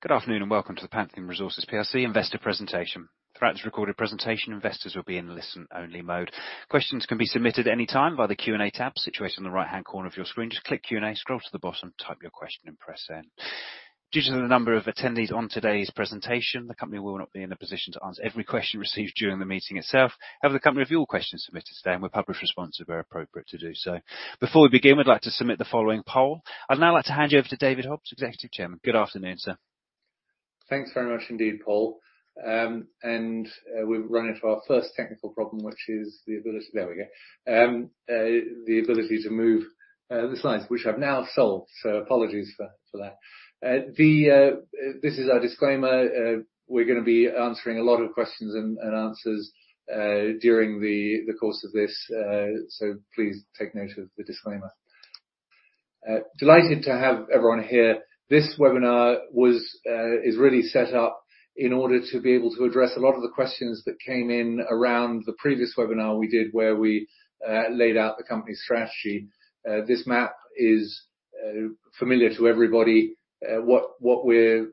Good afternoon, and welcome to the Pantheon Resources plc investor presentation. Throughout this recorded presentation, investors will be in listen-only mode. Questions can be submitted any time by the Q&A tab situated on the right-hand corner of your screen. Just click Q&A, scroll to the bottom, type your question, and press send. Due to the number of attendees on today's presentation, the company will not be in a position to answer every question received during the meeting itself. However, the company will review all questions submitted today and will publish a response if we're appropriate to do so. Before we begin, we'd like to submit the following poll. I'd now like to hand you over to David Hobbs, Executive Chairman. Good afternoon, sir. Thanks very much indeed, Paul. We've run into our first technical problem, which is the ability to move the slides, which I've now solved, so apologies for that. This is our disclaimer. We're gonna be answering a lot of questions and answers during the course of this, so please take note of the disclaimer. Delighted to have everyone here. This webinar is really set up in order to be able to address a lot of the questions that came in around the previous webinar we did, where we laid out the company's strategy. This map is familiar to everybody. What we're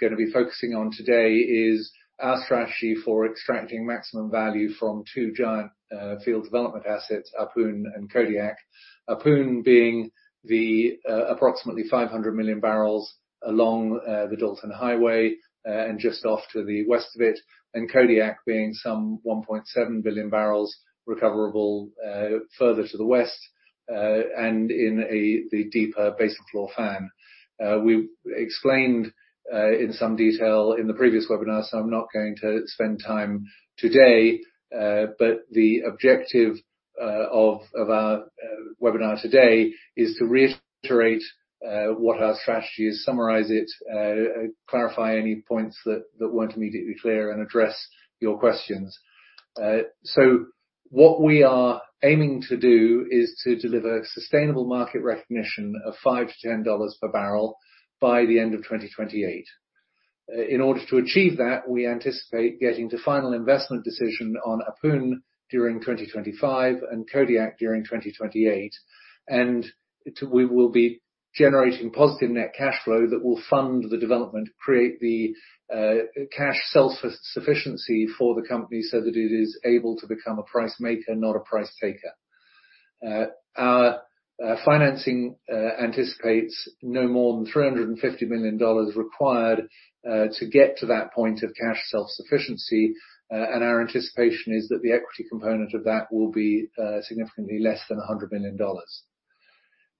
gonna be focusing on today is our strategy for extracting maximum value from two giant field development assets, Ahpun and Alkaid. Ahpun being the approximately 500 MMbbl along the Dalton Highway and just off to the west of it, and Alkaid being some 1.7 Gbbl recoverable further to the west and in the deeper basin floor fan. We explained in some detail in the previous webinar, so I'm not going to spend time today, but the objective of our webinar today is to reiterate what our strategy is, summarize it, clarify any points that weren't immediately clear, and address your questions. What we are aiming to do is to deliver sustainable market recognition of $5-$10 per barrel by the end of 2028. In order to achieve that, we anticipate getting to final investment decision on Ahpun during 2025 and Kodiak during 2028. We will be generating positive net cash flow that will fund the development, create the cash self-sufficiency for the company so that it is able to become a price maker, not a price taker. Our financing anticipates no more than $350 million required to get to that point of cash self-sufficiency, and our anticipation is that the equity component of that will be significantly less than $100 million.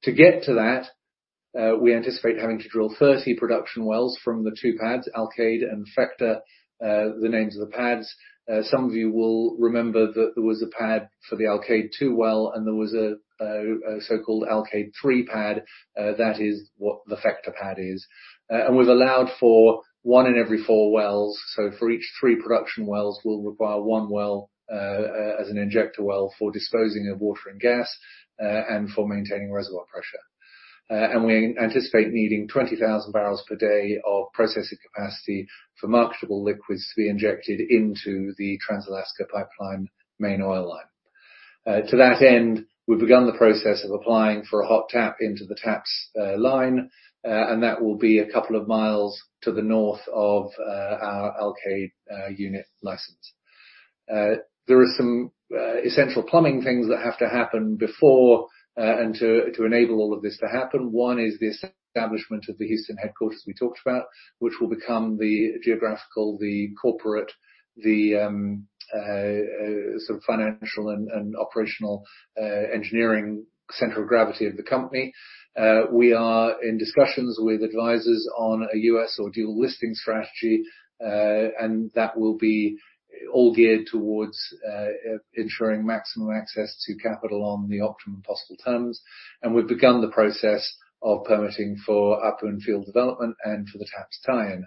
To get to that, we anticipate having to drill 30 production wells from the two pads, Alkaid and Phecda, the names of the pads. Some of you will remember that there was a pad for the Alkaid-2 well, and there was a so-called Alkaid-3 pad. That is what the Phecda pad is. We've allowed for one in every four wells. For each three production wells, we'll require one well as an injector well for disposing of water and gas, and for maintaining reservoir pressure. We anticipate needing 20,000 bpd of processing capacity for marketable liquids to be injected into the Trans-Alaska Pipeline main oil line. To that end, we've begun the process of applying for a hot tap into the TAPS line, and that will be a couple of miles to the north of our Alkaid unit license. There are some essential plumbing things that have to happen before and to enable all of this to happen. One is the establishment of the Houston headquarters we talked about, which will become the geographical, the corporate, the sort of financial and operational engineering center of gravity of the company. We are in discussions with advisors on a U.S. or dual listing strategy, and that will be all geared towards ensuring maximum access to capital on the optimum possible terms. We've begun the process of permitting for Alkaid field development and for the TAPS tie-in.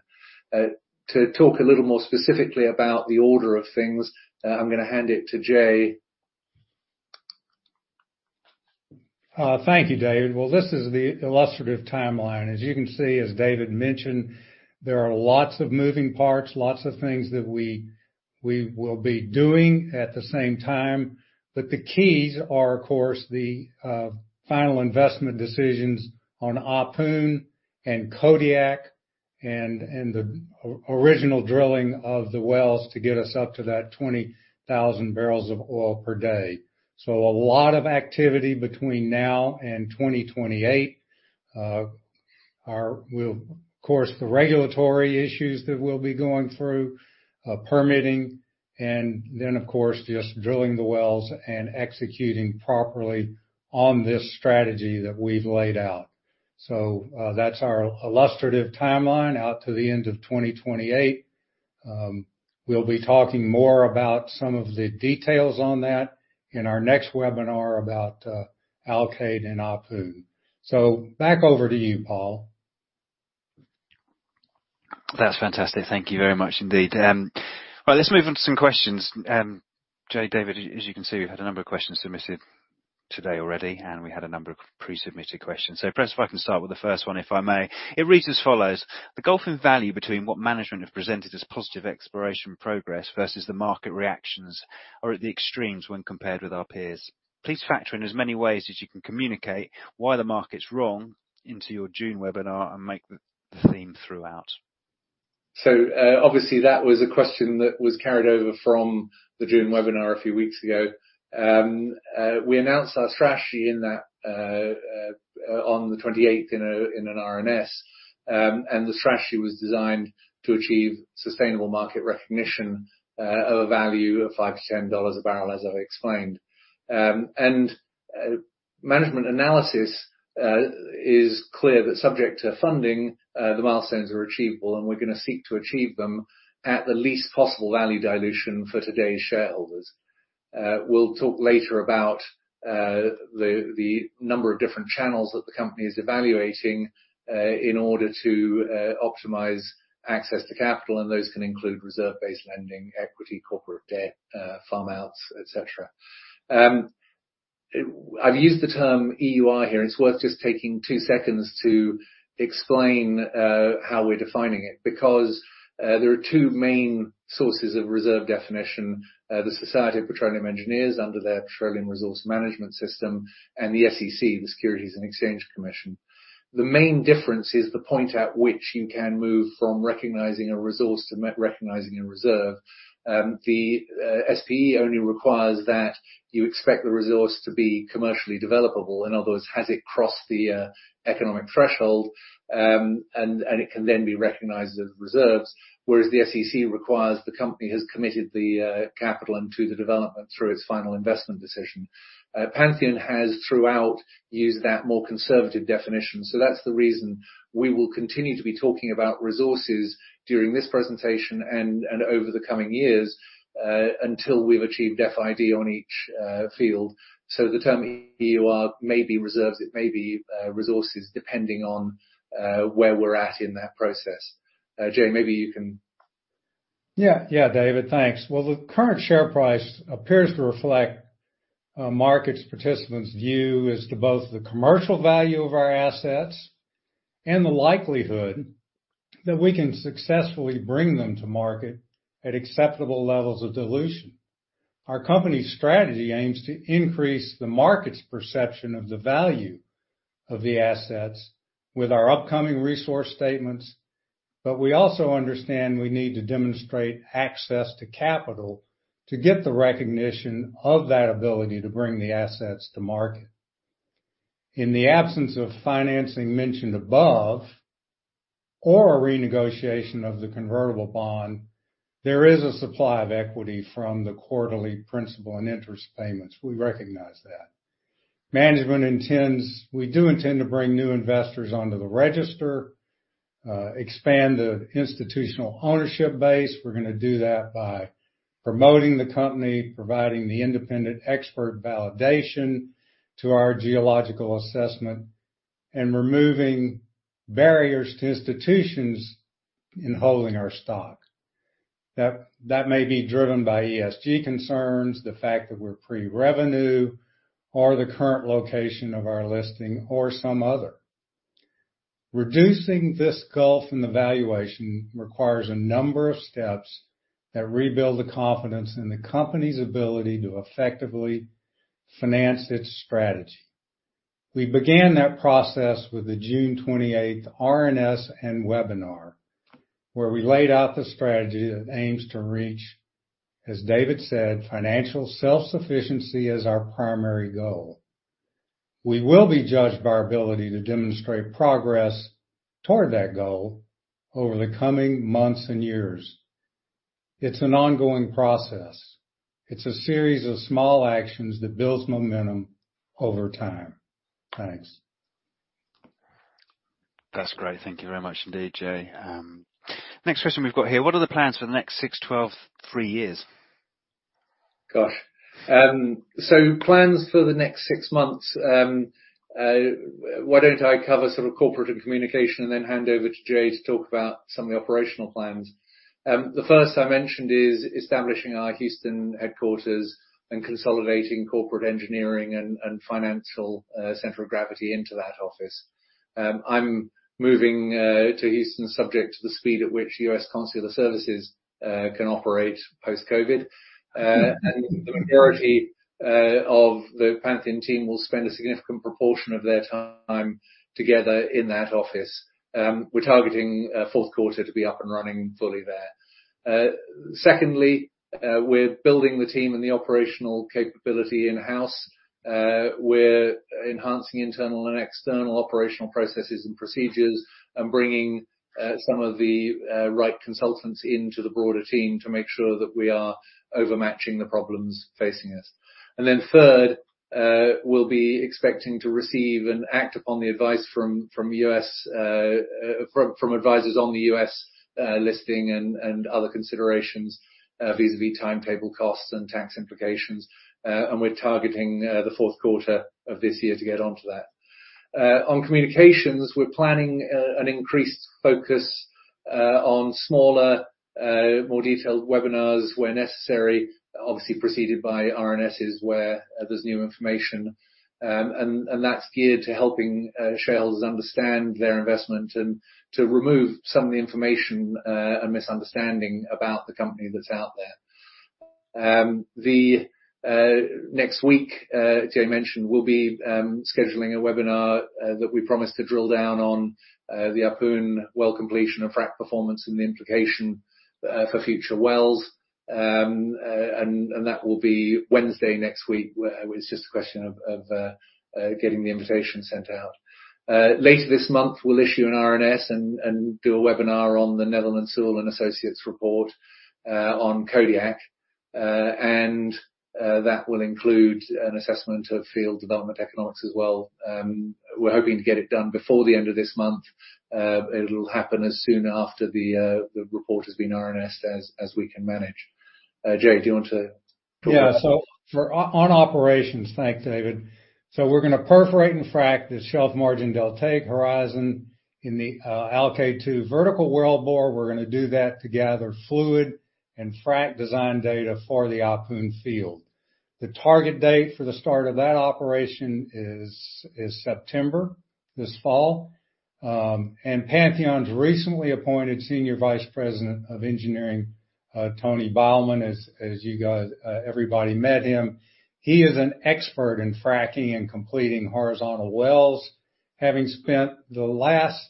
To talk a little more specifically about the order of things, I'm gonna hand it to Jay. Thank you, David. Well, this is the illustrative timeline. As you can see, as David mentioned, there are lots of moving parts, lots of things that we will be doing at the same time. The keys are, of course, the final investment decisions on Ahpun and Alkaid and the original drilling of the wells to get us up to that 20,000 bbl of oil per day. A lot of activity between now and 2028. Of course, the regulatory issues that we'll be going through, permitting, and then of course just drilling the wells and executing properly on this strategy that we've laid out. That's our illustrative timeline out to the end of 2028. We'll be talking more about some of the details on that in our next webinar about Alkaid and Ahpun. Back over to you, Paul. That's fantastic. Thank you very much indeed. Well, let's move on to some questions. Jay, David, as you can see, we've had a number of questions submitted today already, and we had a number of pre-submitted questions. Perhaps if I can start with the first one, if I may. It reads as follows: The gulf in value between what management have presented as positive exploration progress versus the market reactions are at the extremes when compared with our peers. Please factor in as many ways as you can communicate why the market's wrong into your June webinar and make the theme throughout. Obviously that was a question that was carried over from the June webinar a few weeks ago. We announced our strategy in that on the 28th in an RNS, and the strategy was designed to achieve sustainable market recognition of a value of $5-$10 a barrel, as I've explained. Management analysis is clear that subject to funding, the milestones are achievable, and we're gonna seek to achieve them at the least possible value dilution for today's shareholders. We'll talk later about the number of different channels that the company is evaluating in order to optimize access to capital, and those can include reserve-based lending, equity, corporate debt, farm outs, et cetera. I've used the term EUR here, and it's worth just taking two seconds to explain how we're defining it because there are two main sources of reserve definition. The Society of Petroleum Engineers under their Petroleum Resource Management System and the SEC, the Securities and Exchange Commission. The main difference is the point at which you can move from recognizing a resource to recognizing a reserve. The SPE only requires that you expect the resource to be commercially developable. In other words, has it crossed the economic threshold, and it can then be recognized as reserves, whereas the SEC requires the company has committed the capital and to the development through its final investment decision. Pantheon has throughout used that more conservative definition. That's the reason we will continue to be talking about resources during this presentation and over the coming years, until we've achieved FID on each field. The term EUR may be reserves. It may be resources depending on where we're at in that process. Jay, maybe you can... Yeah. Yeah, David, thanks. Well, the current share price appears to reflect market participants' view as to both the commercial value of our assets and the likelihood that we can successfully bring them to market at acceptable levels of dilution. Our company's strategy aims to increase the market's perception of the value of the assets with our upcoming resource statements, but we also understand we need to demonstrate access to capital to get the recognition of that ability to bring the assets to market. In the absence of financing mentioned above or a renegotiation of the convertible bond, there is a supply of equity from the quarterly principal and interest payments. We recognize that. We do intend to bring new investors onto the register, expand the institutional ownership base. We're gonna do that by promoting the company, providing the independent expert validation to our geological assessment, and removing barriers to institutions in holding our stock. That may be driven by ESG concerns, the fact that we're pre-revenue, or the current location of our listing or some other. Reducing this gulf in the valuation requires a number of steps that rebuild the confidence in the company's ability to effectively finance its strategy. We began that process with the June 28th RNS and webinar, where we laid out the strategy that aims to reach, as David said, financial self-sufficiency as our primary goal. We will be judged by our ability to demonstrate progress toward that goal over the coming months and years. It's an ongoing process. It's a series of small actions that builds momentum over time. Thanks. That's great. Thank you very much indeed, Jay. Next question we've got here: What are the plans for the next six months, 12 months, 3 years? Plans for the next six months, why don't I cover sort of corporate and communication and then hand over to Jay to talk about some of the operational plans. The first I mentioned is establishing our Houston headquarters and consolidating corporate engineering and financial center of gravity into that office. I'm moving to Houston subject to the speed at which U.S. Consular Services can operate post-COVID. The majority of the Pantheon team will spend a significant proportion of their time together in that office. We're targeting fourth quarter to be up and running fully there. Secondly, we're building the team and the operational capability in-house. We're enhancing internal and external operational processes and procedures and bringing some of the right consultants into the broader team to make sure that we are over-matching the problems facing us. Third, we'll be expecting to receive and act upon the advice from U.S. advisors on the U.S. listing and other considerations vis-à-vis timetable costs and tax implications. We're targeting the fourth quarter of this year to get onto that. On communications, we're planning an increased focus on smaller, more detailed webinars where necessary, obviously preceded by RNSs where there's new information. That's geared to helping shareholders understand their investment and to remove some of the misinformation and misunderstanding about the company that's out there. Next week, Jay mentioned we'll be scheduling a webinar that we promised to drill down on the Ahpun well completion and frack performance and the implication for future wells. That will be Wednesday next week, where it's just a question of getting the invitation sent out. Later this month, we'll issue an RNS and do a webinar on the Netherland, Sewell & Associates report on Kodiak. That will include an assessment of field development economics as well. We're hoping to get it done before the end of this month. It'll happen as soon after the report has been RNS as we can manage. Jay, do you want to talk about that? Thanks, David. We're gonna perforate and frack the Shelf Margin Deltaic horizon in the Alkaid-2 vertical wellbore. We're gonna do that to gather fluid and frack design data for the Ahpun field. The target date for the start of that operation is September, this fall. Pantheon's recently appointed Senior Vice President of Engineering, Tony Beilman, as you guys, everybody met him. He is an expert in fracking and completing horizontal wells, having spent the last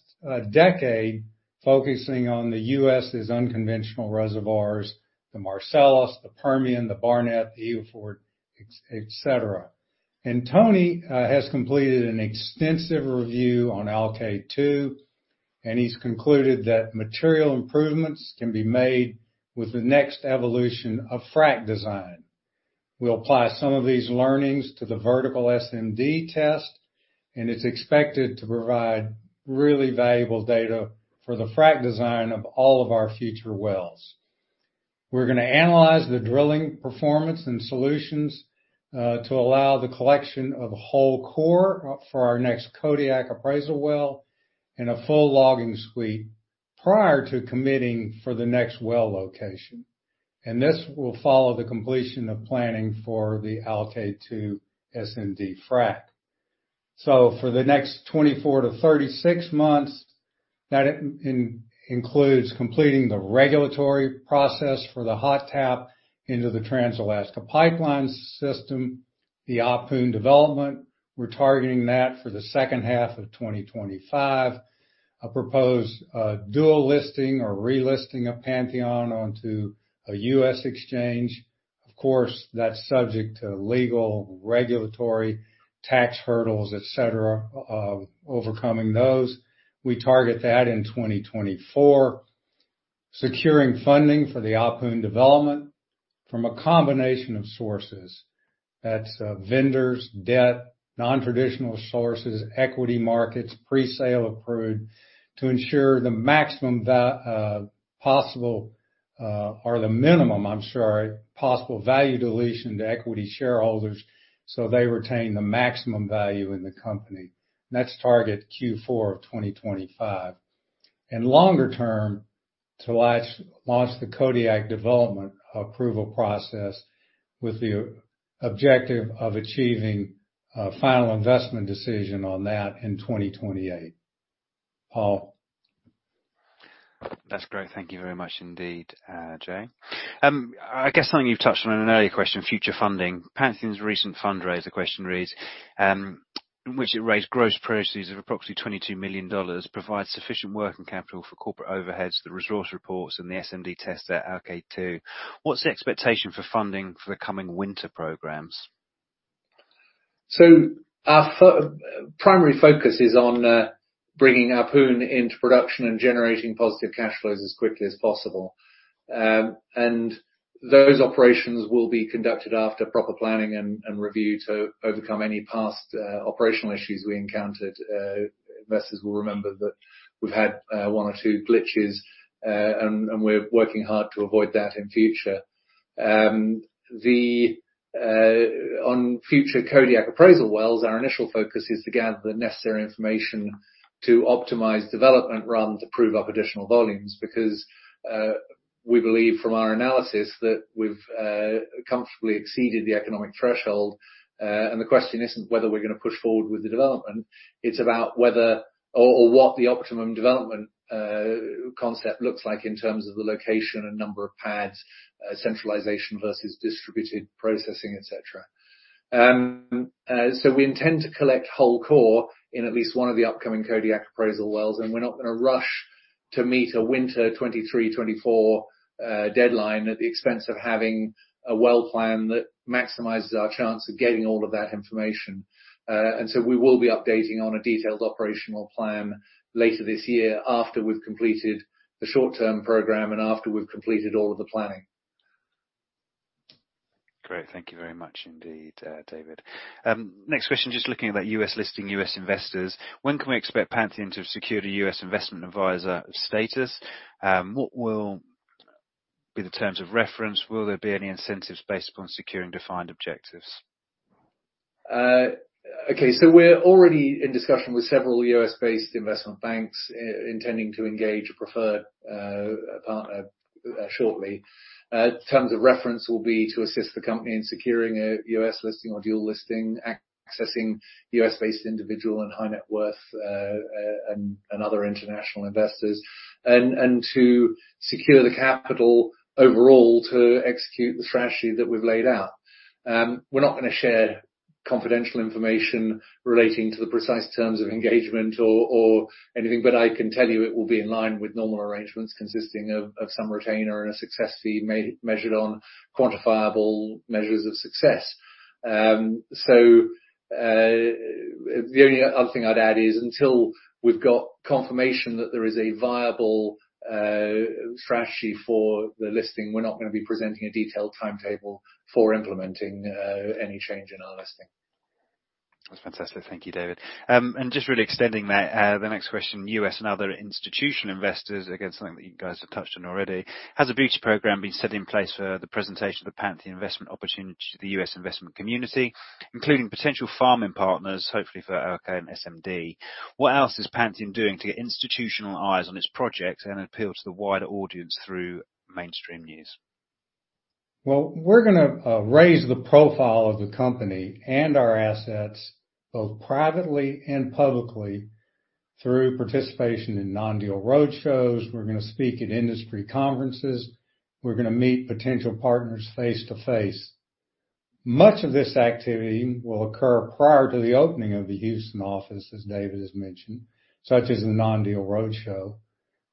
decade focusing on the U.S.'s unconventional reservoirs, the Marcellus, the Permian, the Barnett, the Utica, et cetera. Tony has completed an extensive review on Alkaid-2, and he's concluded that material improvements can be made with the next evolution of frack design. We'll apply some of these learnings to the vertical SMD test, and it's expected to provide really valuable data for the frack design of all of our future wells. We're gonna analyze the drilling performance and solutions to allow the collection of whole core for our next Kodiak appraisal well and a full logging suite prior to committing for the next well location, and this will follow the completion of planning for the Alkaid-2 SMD frack. For the next 24-36 months, that includes completing the regulatory process for the hot tap into the Trans-Alaska Pipeline System, the Ahpun development. We're targeting that for the second half of 2025. A proposed dual listing or relisting of Pantheon onto a U.S. exchange. Of course, that's subject to legal, regulatory, tax hurdles, et cetera, overcoming those. We target that in 2024. Securing funding for the Ahpun development from a combination of sources. That's vendors, debt, non-traditional sources, equity markets, pre-sale of crude to ensure the minimum possible value dilution to equity shareholders so they retain the maximum value in the company. Next target, Q4 of 2025. Longer term, to launch the Kodiak development approval process with the objective of achieving a final investment decision on that in 2028. Paul. That's great. Thank you very much indeed, Jay. I guess something you've touched on in an earlier question, future funding. Pantheon's recent fundraise, in which it raised gross proceeds of approximately $22 million, provides sufficient working capital for corporate overheads, the resource reports and the SMD test at Alkaid-2. What's the expectation for funding for the coming winter programs? Our primary focus is on bringing Ahpun into production and generating positive cash flows as quickly as possible. Those operations will be conducted after proper planning and review to overcome any past operational issues we encountered. Investors will remember that we've had one or two glitches and we're working hard to avoid that in future. On future Kodiak appraisal wells, our initial focus is to gather the necessary information to optimize development runs to prove up additional volumes. Because we believe from our analysis that we've comfortably exceeded the economic threshold. The question isn't whether we're gonna push forward with the development. It's about whether or what the optimum development concept looks like in terms of the location and number of pads, centralization versus distributed processing, et cetera. We intend to collect whole core in at least one of the upcoming Kodiak appraisal wells, and we're not gonna rush to meet a winter 2023/2024 deadline at the expense of having a well plan that maximizes our chance of getting all of that information. We will be updating on a detailed operational plan later this year after we've completed the short-term program and after we've completed all of the planning. Great. Thank you very much indeed, David. Next question, just looking at that U.S. listing, U.S. investors. When can we expect Pantheon to have secured a U.S. investment advisor status? What will be the terms of reference? Will there be any incentives based upon securing defined objectives? We're already in discussion with several U.S.-based investment banks, intending to engage a preferred partner shortly. Terms of reference will be to assist the company in securing a U.S. listing or dual listing accessing U.S.-based individual and high net worth and other international investors and to secure the capital overall to execute the strategy that we've laid out. We're not gonna share confidential information relating to the precise terms of engagement or anything, but I can tell you it will be in line with normal arrangements consisting of some retainer and a success fee measured on quantifiable measures of success. The only other thing I'd add is until we've got confirmation that there is a viable strategy for the listing, we're not gonna be presenting a detailed timetable for implementing any change in our listing. That's fantastic. Thank you, David. Just really extending that, the next question, U.S. and other institutional investors, again, something that you guys have touched on already. Has a beauty program been set in place for the presentation of the Pantheon investment opportunity to the U.S. investment community, including potential farming partners, hopefully for Kodiak and SMD? What else is Pantheon doing to get institutional eyes on its projects and appeal to the wider audience through mainstream news? Well, we're gonna raise the profile of the company and our assets both privately and publicly through participation in non-deal roadshows. We're gonna speak at industry conferences. We're gonna meet potential partners face-to-face. Much of this activity will occur prior to the opening of the Houston office, as David has mentioned, such as the non-deal roadshow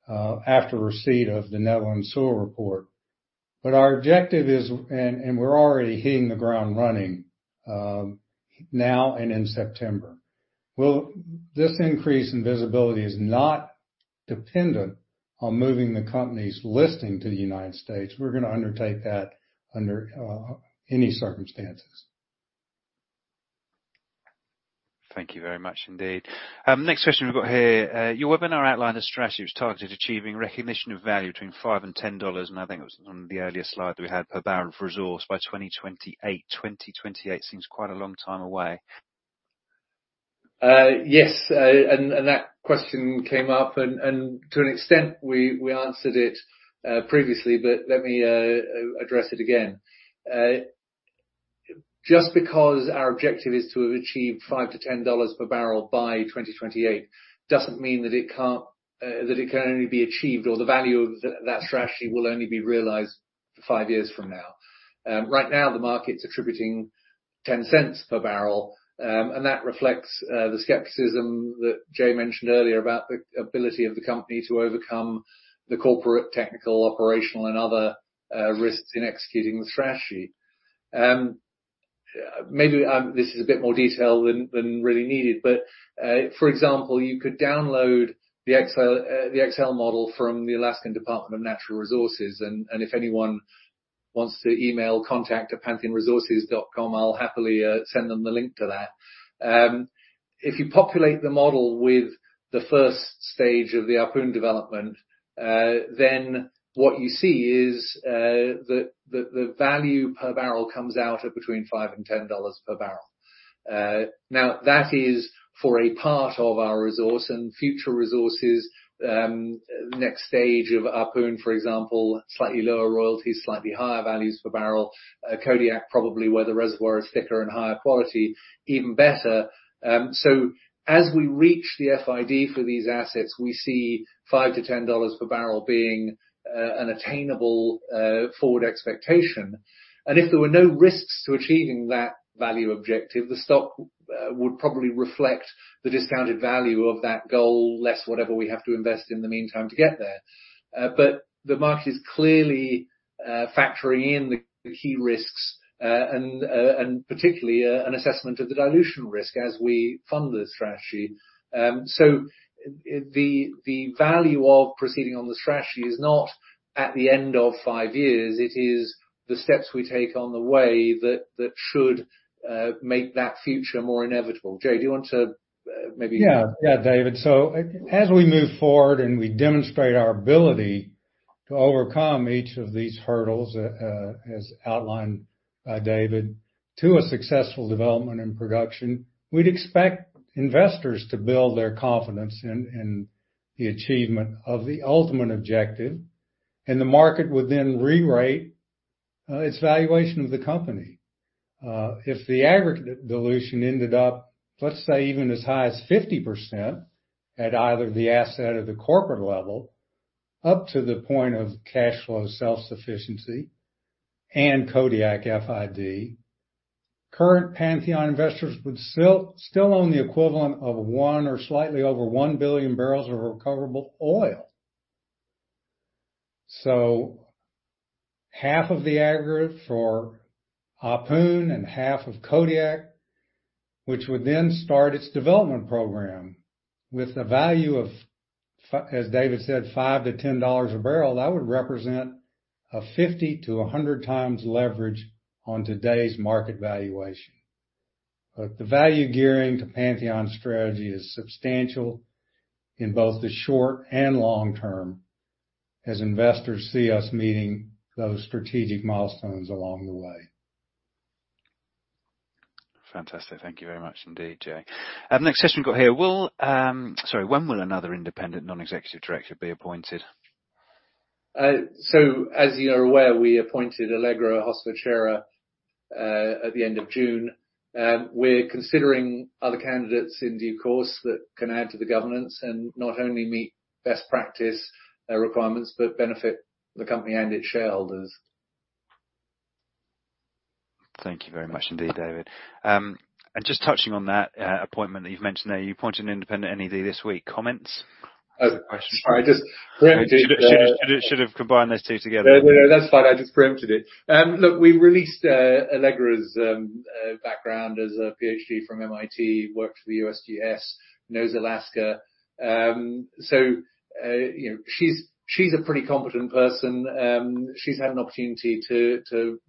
after receipt of the Netherland Sewell report. Our objective is, and we're already hitting the ground running now and in September. Well, this increase in visibility is not dependent on moving the company's listing to the United States. We're gonna undertake that under any circumstances. Thank you very much indeed. Next question we've got here. Your webinar outlined a strategy which targeted achieving recognition of value between $5 and $10 per barrel of resource by 2028. 2028 seems quite a long time away. Yes, that question came up and to an extent we answered it previously, but let me address it again. Just because our objective is to have achieved $5-$10 per barrel by 2028 doesn't mean that it can't, that it can only be achieved or the value of that strategy will only be realized five years from now. Right now, the market's attributing $0.10 per barrel, and that reflects the skepticism that Jay mentioned earlier about the ability of the company to overcome the corporate, technical, operational and other risks in executing the strategy. This is a bit more detail than really needed, but for example, you could download the Excel model from the Alaska Department of Natural Resources, and if anyone wants to email contact@pantheonresources.com, I'll happily send them the link to that. If you populate the model with the first stage of the Ahpun development, then what you see is, the value per barrel comes out at between $5-$10 per barrel. Now that is for a part of our resource and future resources, next stage of Ahpun, for example, slightly lower royalties, slightly higher values per barrel. Kodiak, probably where the reservoir is thicker and higher quality, even better. As we reach the FID for these assets, we see $5-$10 per barrel being an attainable forward expectation. If there were no risks to achieving that value objective, the stock would probably reflect the discounted value of that goal, less whatever we have to invest in the meantime to get there. The market is clearly factoring in the key risks, and particularly an assessment of the dilution risk as we fund the strategy. The value of proceeding on the strategy is not at the end of five years, it is the steps we take on the way that should make that future more inevitable. Jay, do you want to maybe- Yeah. Yeah, David. As we move forward, and we demonstrate our ability to overcome each of these hurdles, as outlined by David, to a successful development and production, we'd expect investors to build their confidence in the achievement of the ultimate objective, and the market would then rewrite its valuation of the company. If the aggregate dilution ended up, let's say, even as high as 50% at either the asset or the corporate level, up to the point of cash flow self-sufficiency and Kodiak FID, current Pantheon investors would still own the equivalent of 1Gbbl or slightly over 1 Gbbl of recoverable oil. Half of the aggregate for Ahpun and half of Kodiak, which would then start its development program with a value of as David said, $5-$10 a barrel, that would represent a 50x-100x leverage on today's market valuation. The value gearing to Pantheon's strategy is substantial in both the short and long term as investors see us meeting those strategic milestones along the way. Fantastic. Thank you very much indeed, Jay. The next question we've got here: When will another independent non-executive director be appointed? As you're aware, we appointed Allegra Hosford Scheirer at the end of June. We're considering other candidates in due course that can add to the governance and not only meet best practice requirements, but benefit the company and its shareholders. Thank you very much indeed, David. Just touching on that appointment that you've mentioned there, you appointed an independent NED this week. Comments? Oh, sorry. Should have combined those two together. No, no, that's fine. I just preempted it. Look, we released Allegra's background as a PhD from MIT, worked for the USGS, knows Alaska. You know, she's a pretty competent person. She's had an opportunity to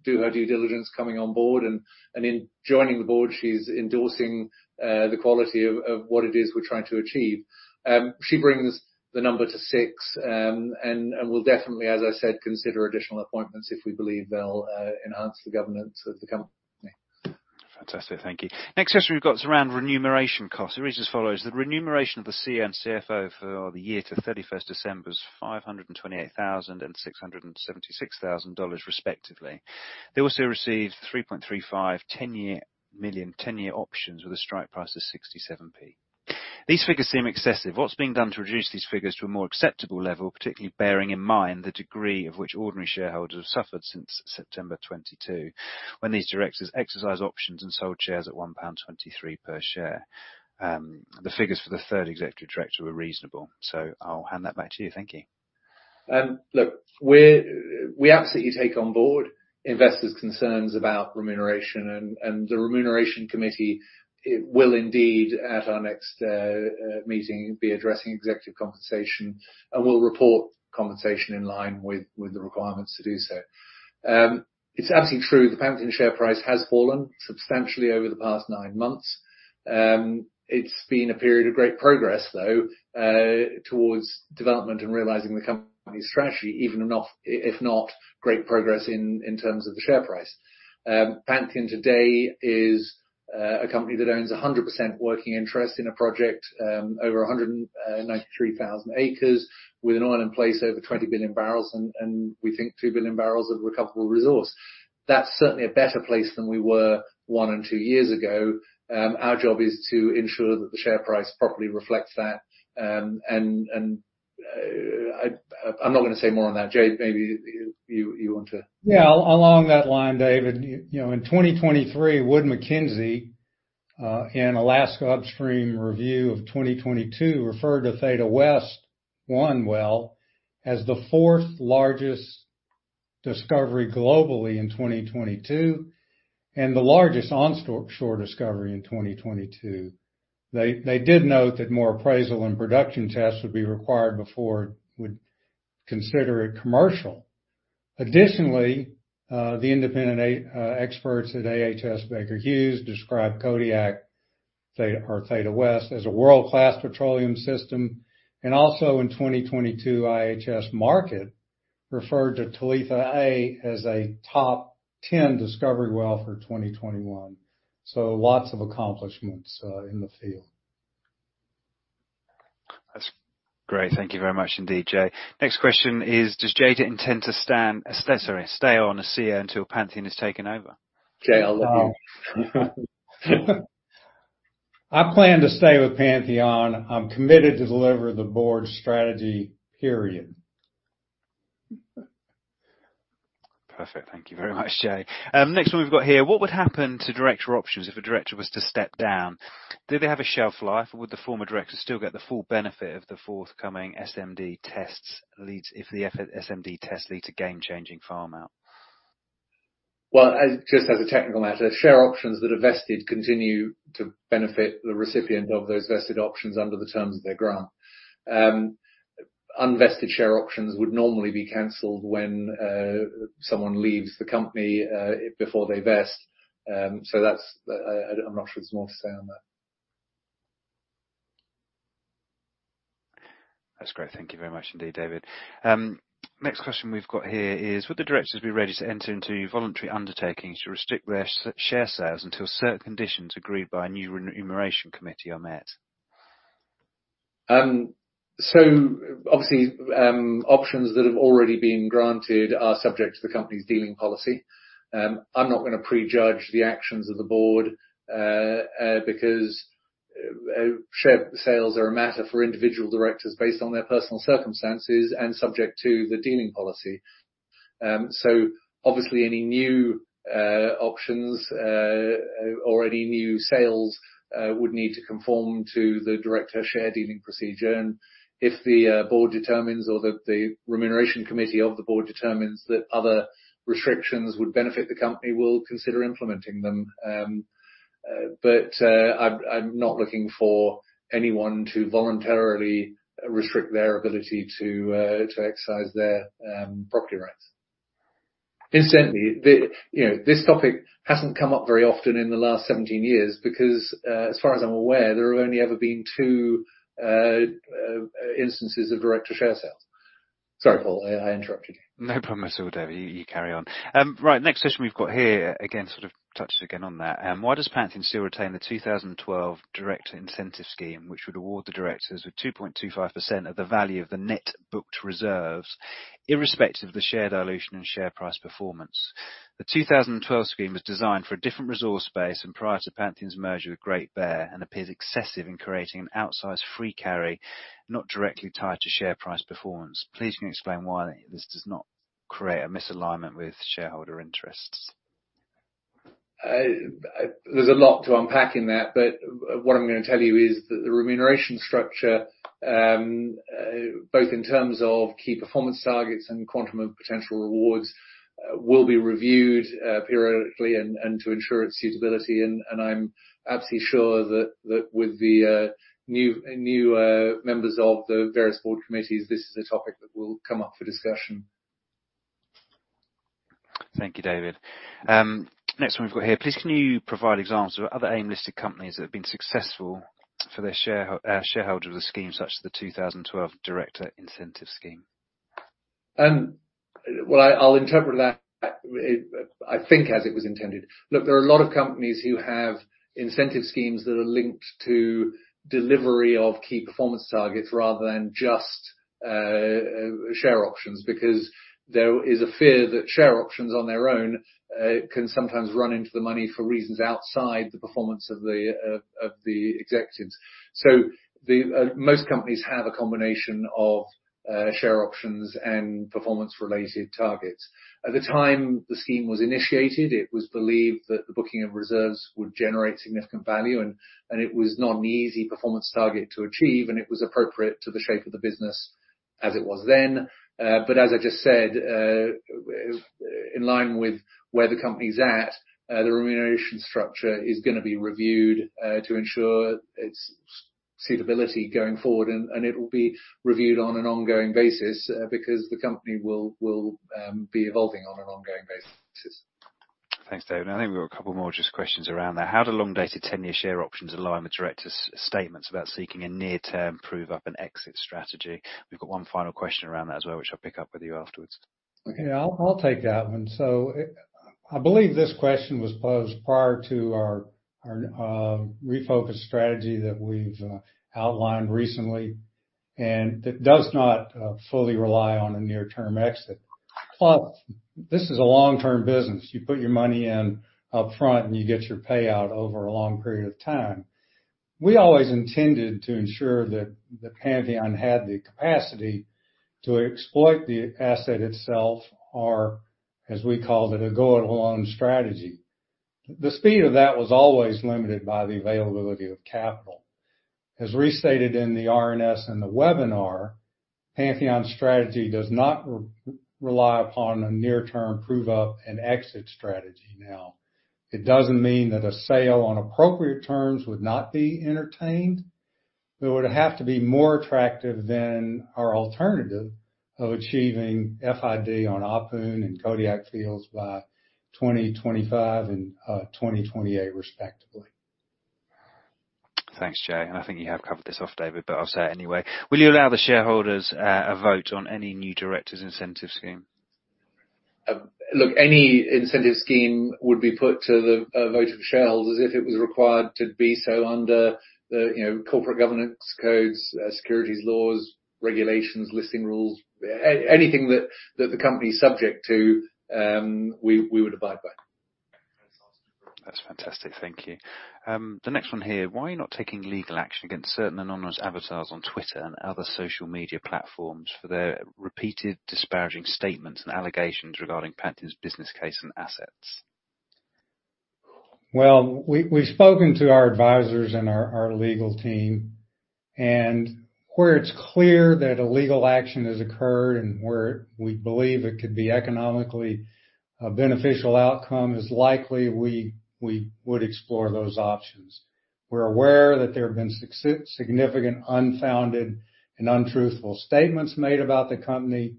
do her due diligence coming on board, and in joining the board, she's endorsing the quality of what it is we're trying to achieve. She brings the number to six. We'll definitely, as I said, consider additional appointments if we believe they'll enhance the governance of the company. Fantastic. Thank you. Next question we've got is around remuneration costs. It reads as follows: The remuneration of the CEO and CFO for the year to 31 December 2023 is $528,000 and $676,000 respectively. They also received 3.35 million 10-year options with a strike price of 67p. These figures seem excessive. What's being done to reduce these figures to a more acceptable level, particularly bearing in mind the degree to which ordinary shareholders have suffered since September 2022 when these directors exercised options and sold shares at 1.23 pound per share? The figures for the third executive director were reasonable. I'll hand that back to you. Thank you. Look, we absolutely take on board investors concerns about remuneration, and the Remuneration Committee will indeed, at our next meeting, be addressing executive compensation and will report compensation in line with the requirements to do so. It's absolutely true the Pantheon share price has fallen substantially over the past nine months. It's been a period of great progress, though, towards development and realizing the company's strategy, even if not great progress in terms of the share price. Pantheon today is a company that owns 100% working interest in a project over 193,000 acres with an oil in place over 20 Gbbl. We think 2 Gbbl of recoverable resource. That's certainly a better place than we were one and two years ago. Our job is to ensure that the share price properly reflects that. I'm not gonna say more on that. Jay, maybe you want to. Along that line, David, you know, in 2023, Wood Mackenzie in Alaska Upstream Review of 2022 referred to Theta West-1 Well as the fourth largest discovery globally in 2022, and the largest onshore discovery in 2022. They did note that more appraisal and production tests would be required before we'd consider it commercial. Additionally, the independent experts at IHS Markit described Kodiak, Theta or Theta West as a world-class petroleum system. Also in 2022, IHS Markit referred to Talitha-A as a top 10 discovery well for 2021. Lots of accomplishments in the field. That's great. Thank you very much indeed, Jay. Next question is, does Jay intend to stay on as CEO until Pantheon is taken over? Jay, I'll let you. I plan to stay with Pantheon. I'm committed to deliver the board's strategy, period. Perfect. Thank you very much, Jay. Next one we've got here: What would happen to director options if a director was to step down? Do they have a shelf life, or would the former director still get the full benefit of the forthcoming SMD test results if the SMD tests lead to game-changing farm out? Well, just as a technical matter, share options that are vested continue to benefit the recipient of those vested options under the terms of their grant. Unvested share options would normally be canceled when someone leaves the company before they vest. I'm not sure there's more to say on that. That's great. Thank you very much indeed, David. Next question we've got here is, would the directors be ready to enter into voluntary undertakings to restrict their share sales until certain conditions agreed by a new Remuneration Committee are met? Obviously, options that have already been granted are subject to the company's dealing policy. I'm not gonna prejudge the actions of the board, because share sales are a matter for individual directors based on their personal circumstances and subject to the dealing policy. Obviously any new options or any new sales would need to conform to the director share dealing procedure. If the board determines or the Remuneration Committee of the board determines that other restrictions would benefit the company, we'll consider implementing them. I'm not looking for anyone to voluntarily restrict their ability to exercise their property rights. Incidentally, you know, this topic hasn't come up very often in the last 17 years because, as far as I'm aware, there have only ever been two instances of director share sales. Sorry, Paul, I interrupted you. No problem at all, David. You carry on. Right, next question we've got here, again, sort of touches again on that. Why does Pantheon still retain the 2012 director incentive scheme, which would award the directors with 2.25% of the value of the net booked reserves, irrespective of the share dilution and share price performance? The 2012 scheme was designed for a different resource base and prior to Pantheon's merger with Great Bear and appears excessive in creating an outsized free carry, not directly tied to share price performance. Please can you explain why this does not create a misalignment with shareholder interests. There's a lot to unpack in that, but what I'm gonna tell you is that the remuneration structure, both in terms of key performance targets and quantum of potential rewards, will be reviewed periodically and to ensure its suitability. I'm absolutely sure that with the new members of the various board committees, this is a topic that will come up for discussion. Thank you, David. Next one we've got here. Please can you provide examples of other AIM listed companies that have been successful for their shareholders scheme, such as the 2012 director incentive scheme? Well, I'll interpret that, I think, as it was intended. Look, there are a lot of companies who have incentive schemes that are linked to delivery of key performance targets rather than just share options because there is a fear that share options on their own can sometimes run into the money for reasons outside the performance of the executives. Most companies have a combination of share options and performance-related targets. At the time the scheme was initiated, it was believed that the booking of reserves would generate significant value, and it was not an easy performance target to achieve, and it was appropriate to the shape of the business as it was then. As I just said, in line with where the company's at, the remuneration structure is gonna be reviewed to ensure its suitability going forward, and it will be reviewed on an ongoing basis, because the company will be evolving on an ongoing basis. Thanks, David. I think we've got a couple more just questions around that. How do long-dated ten-year share options align with directors statements about seeking a near-term prove up and exit strategy? We've got one final question around that as well, which I'll pick up with you afterwards. Okay. I'll take that one. I believe this question was posed prior to our refocused strategy that we've outlined recently, and it does not fully rely on a near-term exit. Plus, this is a long-term business. You put your money in upfront, and you get your payout over a long period of time. We always intended to ensure that the Pantheon had the capacity to exploit the asset itself, or as we called it, a go-it-alone strategy. The speed of that was always limited by the availability of capital. As restated in the RNS and the webinar, Pantheon's strategy does not rely upon a near-term prove up and exit strategy now. It doesn't mean that a sale on appropriate terms would not be entertained. It would have to be more attractive than our alternative of achieving FID on Ahpun and Kodiak fields by 2025 and 2028, respectively. Thanks, Jay. I think you have covered this off, David, but I'll say it anyway. Will you allow the shareholders a vote on any new directors incentive scheme? Look, any incentive scheme would be put to the vote of shareholders as if it was required to be so under the, you know, corporate governance codes, securities laws, regulations, listing rules. Anything that the company is subject to, we would abide by. That's fantastic. Thank you. The next one here, why are you not taking legal action against certain anonymous avatars on Twitter and other social media platforms for their repeated disparaging statements and allegations regarding Pantheon's business case and assets? Well, we've spoken to our advisors and our legal team, and where it's clear that a legal action has occurred and where we believe it could be economically a beneficial outcome is likely, we would explore those options. We're aware that there have been significant unfounded and untruthful statements made about the company.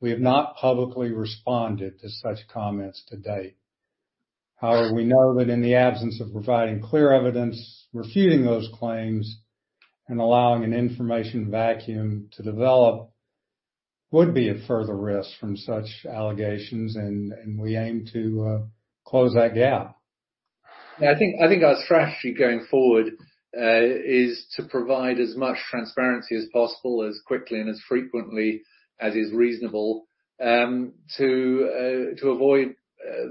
We have not publicly responded to such comments to date. However, we know that in the absence of providing clear evidence, refuting those claims and allowing an information vacuum to develop would be a further risk from such allegations, and we aim to close that gap. I think our strategy going forward is to provide as much transparency as possible as quickly and as frequently as is reasonable, to avoid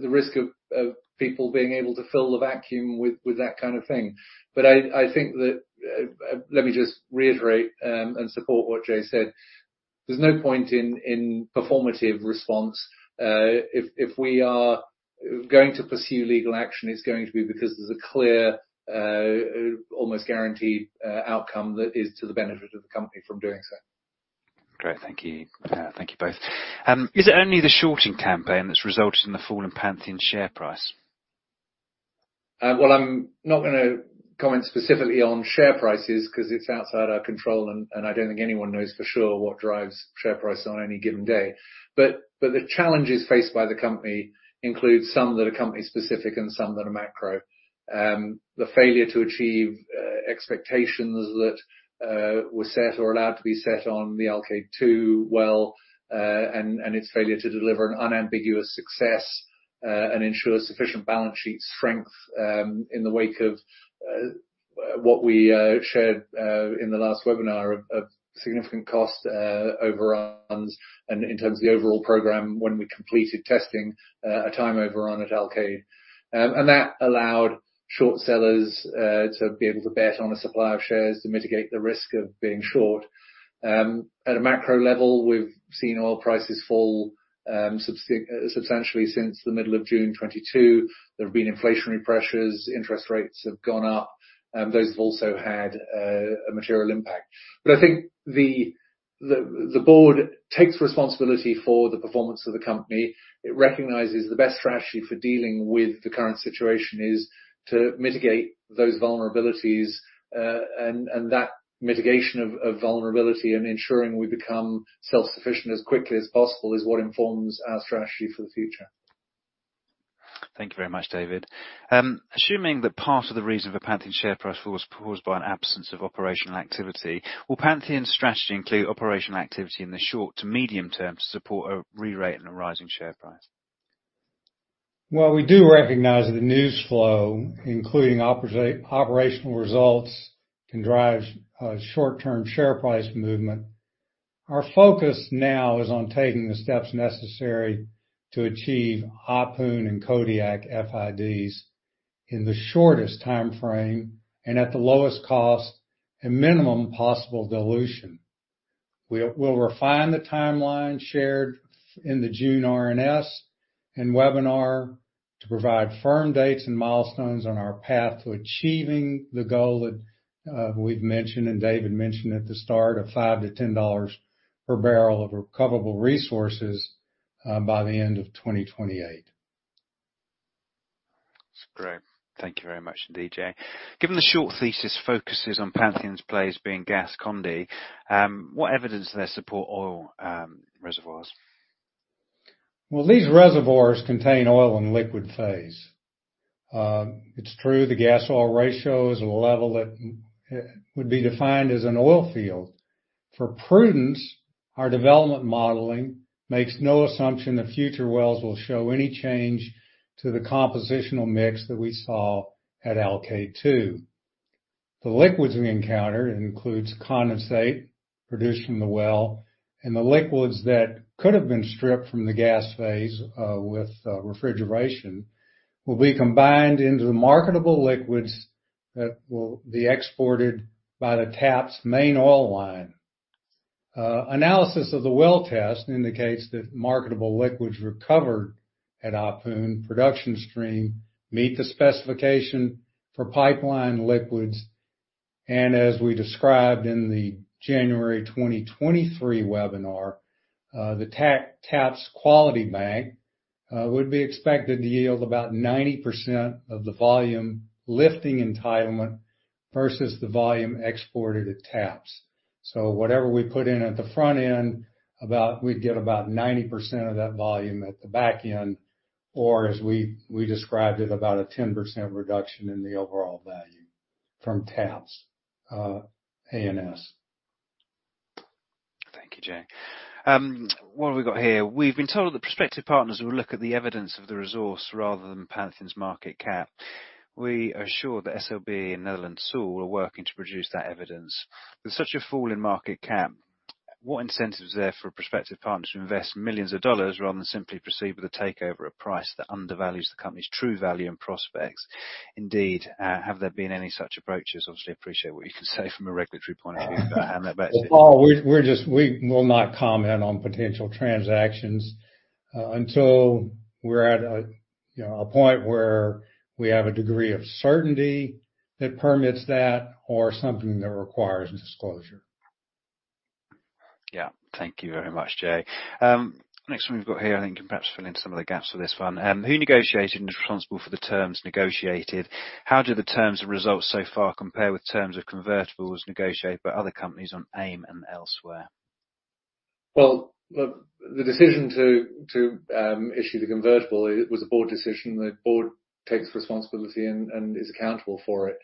the risk of people being able to fill the vacuum with that kind of thing. I think that let me just reiterate and support what Liam Denning said. There's no point in performative response. If we are going to pursue legal action, it's going to be because there's a clear almost guaranteed outcome that is to the benefit of the company from doing so. Great. Thank you. Thank you both. Is it only the shorting campaign that's resulted in the fall in Pantheon's share price? Well, I'm not gonna comment specifically on share prices 'cause it's outside our control, and I don't think anyone knows for sure what drives share price on any given day. The challenges faced by the company include some that are company specific and some that are macro. The failure to achieve expectations that were set or allowed to be set on the Alkaid-2 well, and its failure to deliver an unambiguous success, and ensure sufficient balance sheet strength, in the wake of what we shared in the last webinar of significant cost overruns and in terms of the overall program when we completed testing, a time overrun at Alkaid. That allowed short sellers to be able to bet on a supply of shares to mitigate the risk of being short. At a macro level, we've seen oil prices fall substantially since the middle of June 2022. There have been inflationary pressures, interest rates have gone up. Those have also had a material impact. I think the board takes responsibility for the performance of the company. It recognizes the best strategy for dealing with the current situation is to mitigate those vulnerabilities, and that mitigation of vulnerability and ensuring we become self-sufficient as quickly as possible is what informs our strategy for the future. Thank you very much, David. Assuming that part of the reason for Pantheon's share price fall was caused by an absence of operational activity, will Pantheon's strategy include operational activity in the short to medium term to support a rerate and a rising share price? Well, we do recognize that the news flow, including operational results, can drive short-term share price movement. Our focus now is on taking the steps necessary to achieve Ahpun and Kodiak FIDs in the shortest timeframe and at the lowest cost and minimum possible dilution. We'll refine the timeline shared in the June RNS and webinar to provide firm dates and milestones on our path to achieving the goal that we've mentioned and David mentioned at the start of $5-$10 per barrel of recoverable resources by the end of 2028. That's great. Thank you very much, Jay. Given the short thesis focuses on Pantheon's plays being gas condy, what evidence is there to support oil reservoirs? Well, these reservoirs contain oil and liquid phase. It's true the gas oil ratio is a level that would be defined as an oil field. For prudence, our development modeling makes no assumption the future wells will show any change to the compositional mix that we saw at Alkaid-2. The liquids we encounter includes condensate produced from the well, and the liquids that could have been stripped from the gas phase with refrigeration, will be combined into the marketable liquids that will be exported by the TAPS main oil line. Analysis of the well test indicates that marketable liquids recovered at Ahpun production stream meet the specification for pipeline liquids. As we described in the January 2023 webinar, the TAPS Quality Bank would be expected to yield about 90% of the volume lifting entitlement versus the volume exported at TAPS. Whatever we put in at the front end, we'd get about 90% of that volume at the back end, or as we described it, about a 10% reduction in the overall value from TAPS or ANS. Thank you, Jay. What have we got here? We've been told that prospective partners will look at the evidence of the resource rather than Pantheon's market cap. We are assured that SLB and Netherland, Sewell are working to produce that evidence. With such a fall in market cap, what incentive is there for a prospective partner to invest millions of dollars rather than simply proceed with a takeover at price that undervalues the company's true value and prospects? Indeed, have there been any such approaches? Obviously, I appreciate what you can say from a regulatory point of view, but hand that back to you. Well, Paul, we will not comment on potential transactions until we're at a point where we have a degree of certainty that permits that or something that requires disclosure. Yeah. Thank you very much, Jay. Next one we've got here, I think you can perhaps fill in some of the gaps for this one. Who negotiated and is responsible for the terms negotiated? How do the terms and results so far compare with terms of convertibles negotiated by other companies on AIM and elsewhere? The decision to issue the convertible was a board decision. The board takes responsibility and is accountable for it.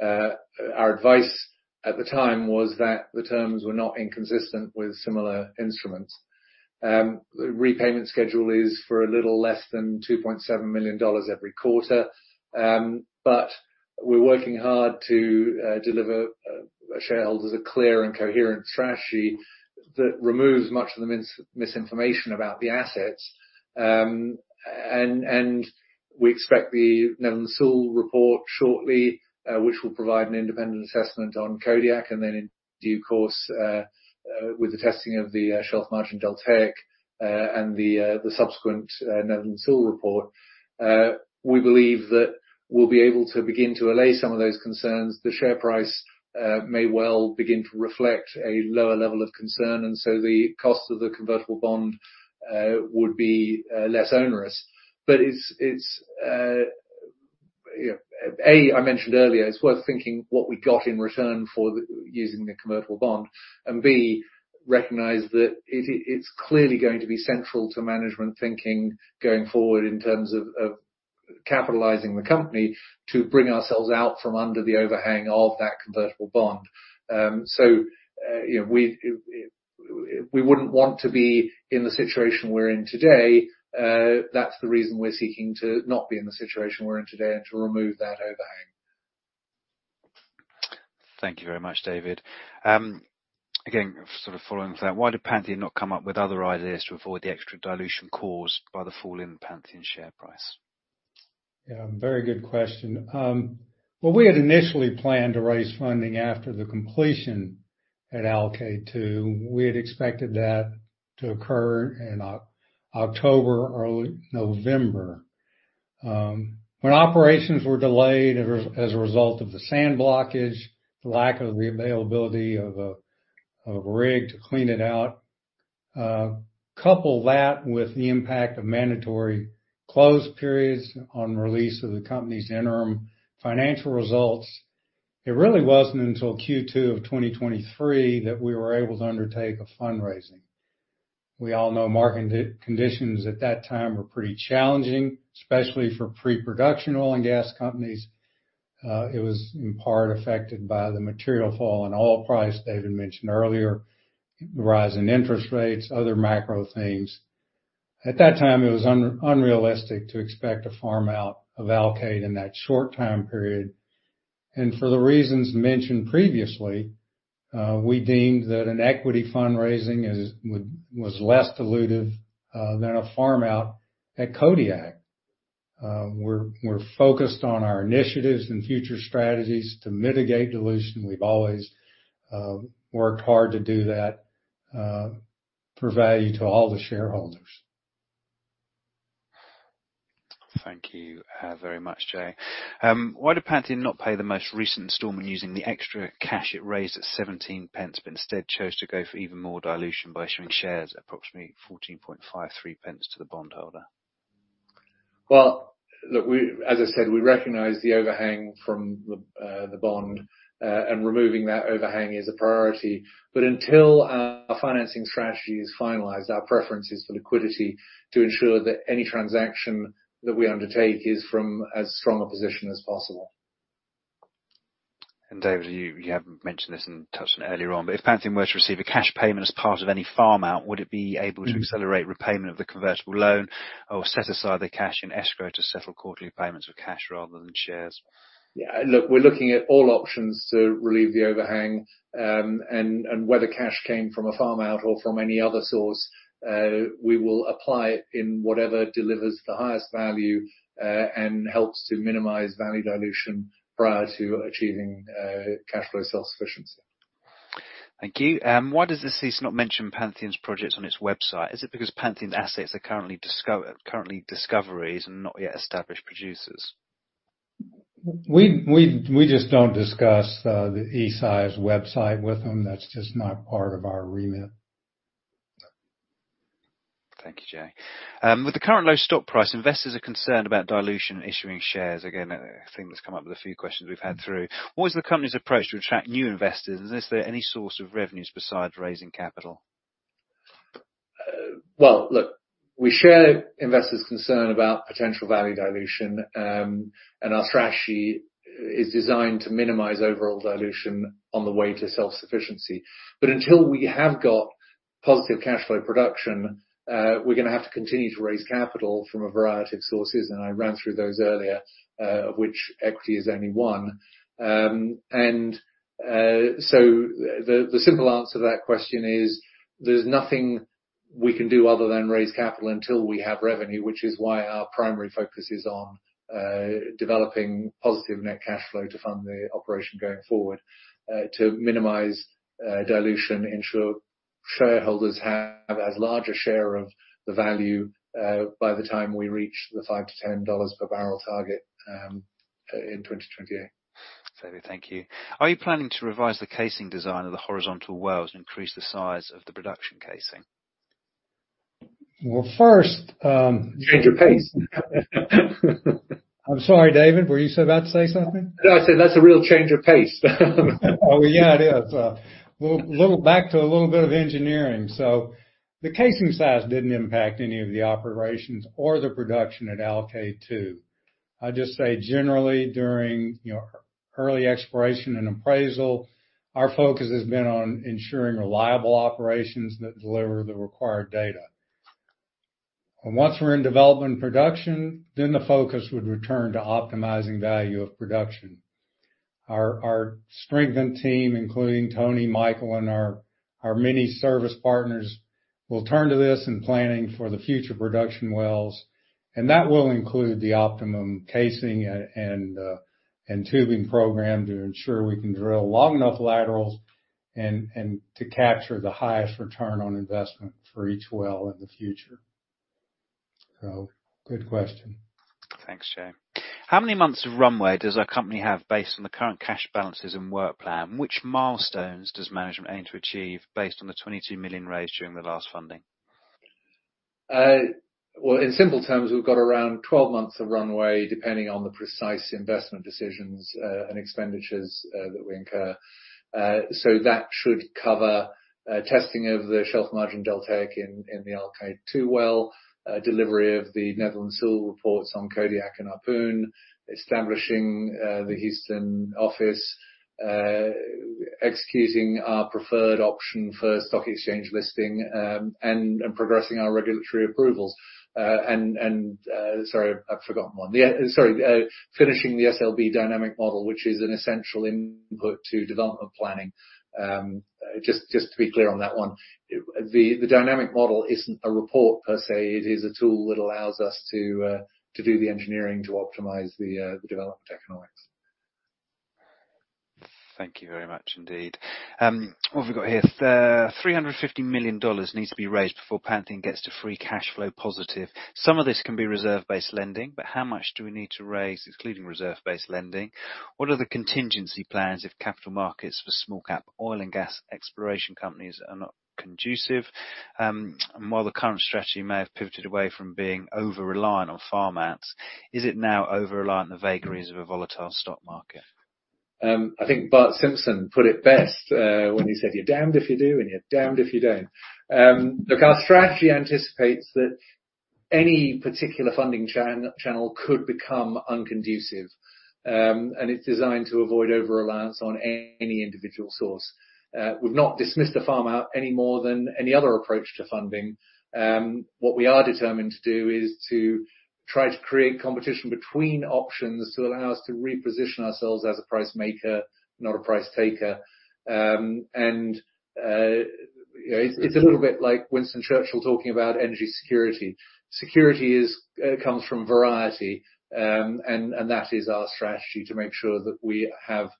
Our advice at the time was that the terms were not inconsistent with similar instruments. The repayment schedule is for a little less than $2.7 million every quarter. We're working hard to deliver shareholders a clear and coherent strategy that removes much of the misinformation about the assets. We expect the Netherland Sewell report shortly, which will provide an independent assessment on Kodiak, and then in due course, with the testing of the Shelf Margin Deltaic and the subsequent Netherland Sewell report, we believe that we'll be able to begin to allay some of those concerns. The share price may well begin to reflect a lower level of concern, and so the cost of the convertible bond would be less onerous. It's you know, A, I mentioned earlier, it's worth thinking what we got in return for using the convertible bond, and B, recognize that it's clearly going to be central to management thinking going forward in terms of capitalizing the company to bring ourselves out from under the overhang of that convertible bond. You know, we wouldn't want to be in the situation we're in today. That's the reason we're seeking to not be in the situation we're in today and to remove that overhang. Thank you very much, David. Again, sort of following that, why did Pantheon not come up with other ideas to avoid the extra dilution caused by the fall in Pantheon share price? Yeah, very good question. Well, we had initially planned to raise funding after the completion at Alkaid-2. We had expected that to occur in October, early November. When operations were delayed as a result of the sand blockage, the lack of the availability of a rig to clean it out, couple that with the impact of mandatory closed periods on release of the company's interim financial results, it really wasn't until Q2 of 2023 that we were able to undertake a fundraising. We all know market conditions at that time were pretty challenging, especially for pre-production oil and gas companies. It was in part affected by the material fall in oil price David mentioned earlier, the rise in interest rates, other macro things. At that time, it was unrealistic to expect a farm out of Alkaid in that short time period. For the reasons mentioned previously, we deemed that an equity fundraising was less dilutive than a farm out at Kodiak. We're focused on our initiatives and future strategies to mitigate dilution. We've always worked hard to do that, provide to all the shareholders. Thank you, very much, Jay. Why did Pantheon not pay the most recent installment using the extra cash it raised at 0.17, but instead chose to go for even more dilution by issuing shares at approximately 14.53 pence to the bond holder? Well, look, as I said, we recognize the overhang from the bond, and removing that overhang is a priority. Until our financing strategy is finalized, our preference is for liquidity to ensure that any transaction that we undertake is from as strong a position as possible. David, you haven't mentioned this and touched on it earlier on, but if Pantheon were to receive a cash payment as part of any farm out, would it be able to accelerate repayment of the convertible loan or set aside the cash in escrow to settle quarterly payments with cash rather than shares? Yeah. Look, we're looking at all options to relieve the overhang, and whether cash came from a farm out or from any other source, we will apply it in whatever delivers the highest value, and helps to minimize value dilution prior to achieving cash flow self-sufficiency. Thank you. Why does the eSeis not mention Pantheon's projects on its website? Is it because Pantheon's assets are currently discoveries and not yet established producers? We just don't discuss the eSeis website with them. That's just not part of our remit. Thank you, Jay. With the current low stock price, investors are concerned about dilution and issuing shares. Again, a thing that's come up with a few questions we've had through. What is the company's approach to attract new investors? Is there any source of revenues besides raising capital? Well, look, we share investors' concern about potential value dilution, and our strategy is designed to minimize overall dilution on the way to self-sufficiency. But until we have got positive cash flow production, we're gonna have to continue to raise capital from a variety of sources, and I ran through those earlier, of which equity is only one. The simple answer to that question is, there's nothing we can do other than raise capital until we have revenue, which is why our primary focus is on developing positive net cash flow to fund the operation going forward, to minimize dilution, ensure shareholders have as large a share of the value, by the time we reach the $5-$10 per barrel target in 2028. David, thank you. Are you planning to revise the casing design of the horizontal wells to increase the size of the production casing? Well, first. Change of pace. I'm sorry, David, were you about to say something? No, I said that's a real change of pace. Oh, yeah, it is. We'll go a little back to a little bit of engineering. The casing size didn't impact any of the operations or the production at Alkaid-2. I'll just say generally, during early exploration and appraisal, our focus has been on ensuring reliable operations that deliver the required data. Once we're in development production, the focus would return to optimizing value of production. Our strengthened team, including Tony, Michael, and our many service partners, will turn to this in planning for the future production wells, and that will include the optimum casing and tubing program to ensure we can drill long enough laterals and to capture the highest return on investment for each well in the future. Good question. Thanks, Jay. How many months of runway does our company have based on the current cash balances and work plan? Which milestones does management aim to achieve based on the 22 million raised during the last funding? Well, in simple terms, we've got around 12 months of runway, depending on the precise investment decisions and expenditures that we incur. That should cover testing of the Shelf Margin Deltaic in the Alkaid-2 well, delivery of the Netherland Sewell reports on Kodiak and Ahpun, establishing the Houston office, executing our preferred option for stock exchange listing, and sorry, I've forgotten one. Finishing the SLB dynamic model, which is an essential input to development planning. Just to be clear on that one, the dynamic model isn't a report per se. It is a tool that allows us to do the engineering to optimize the development economics. Thank you very much indeed. What have we got here? The $350 million needs to be raised before Pantheon gets to free cash flow positive. Some of this can be reserve-based lending, but how much do we need to raise, including reserve-based lending? What are the contingency plans if capital markets for small cap oil and gas exploration companies are not conducive? While the current strategy may have pivoted away from being over-reliant on farm-outs, is it now over-reliant on the vagaries of a volatile stock market? I think Bart Simpson put it best, when he said, "You're damned if you do, and you're damned if you don't." Look, our strategy anticipates that any particular funding channel could become unconducive. It's designed to avoid over-reliance on any individual source. We've not dismissed the farm-out any more than any other approach to funding. What we are determined to do is to try to create competition between options to allow us to reposition ourselves as a price maker, not a price taker. You know, it's a little bit like Winston Churchill talking about energy security. Security comes from variety. That is our strategy to make sure that we have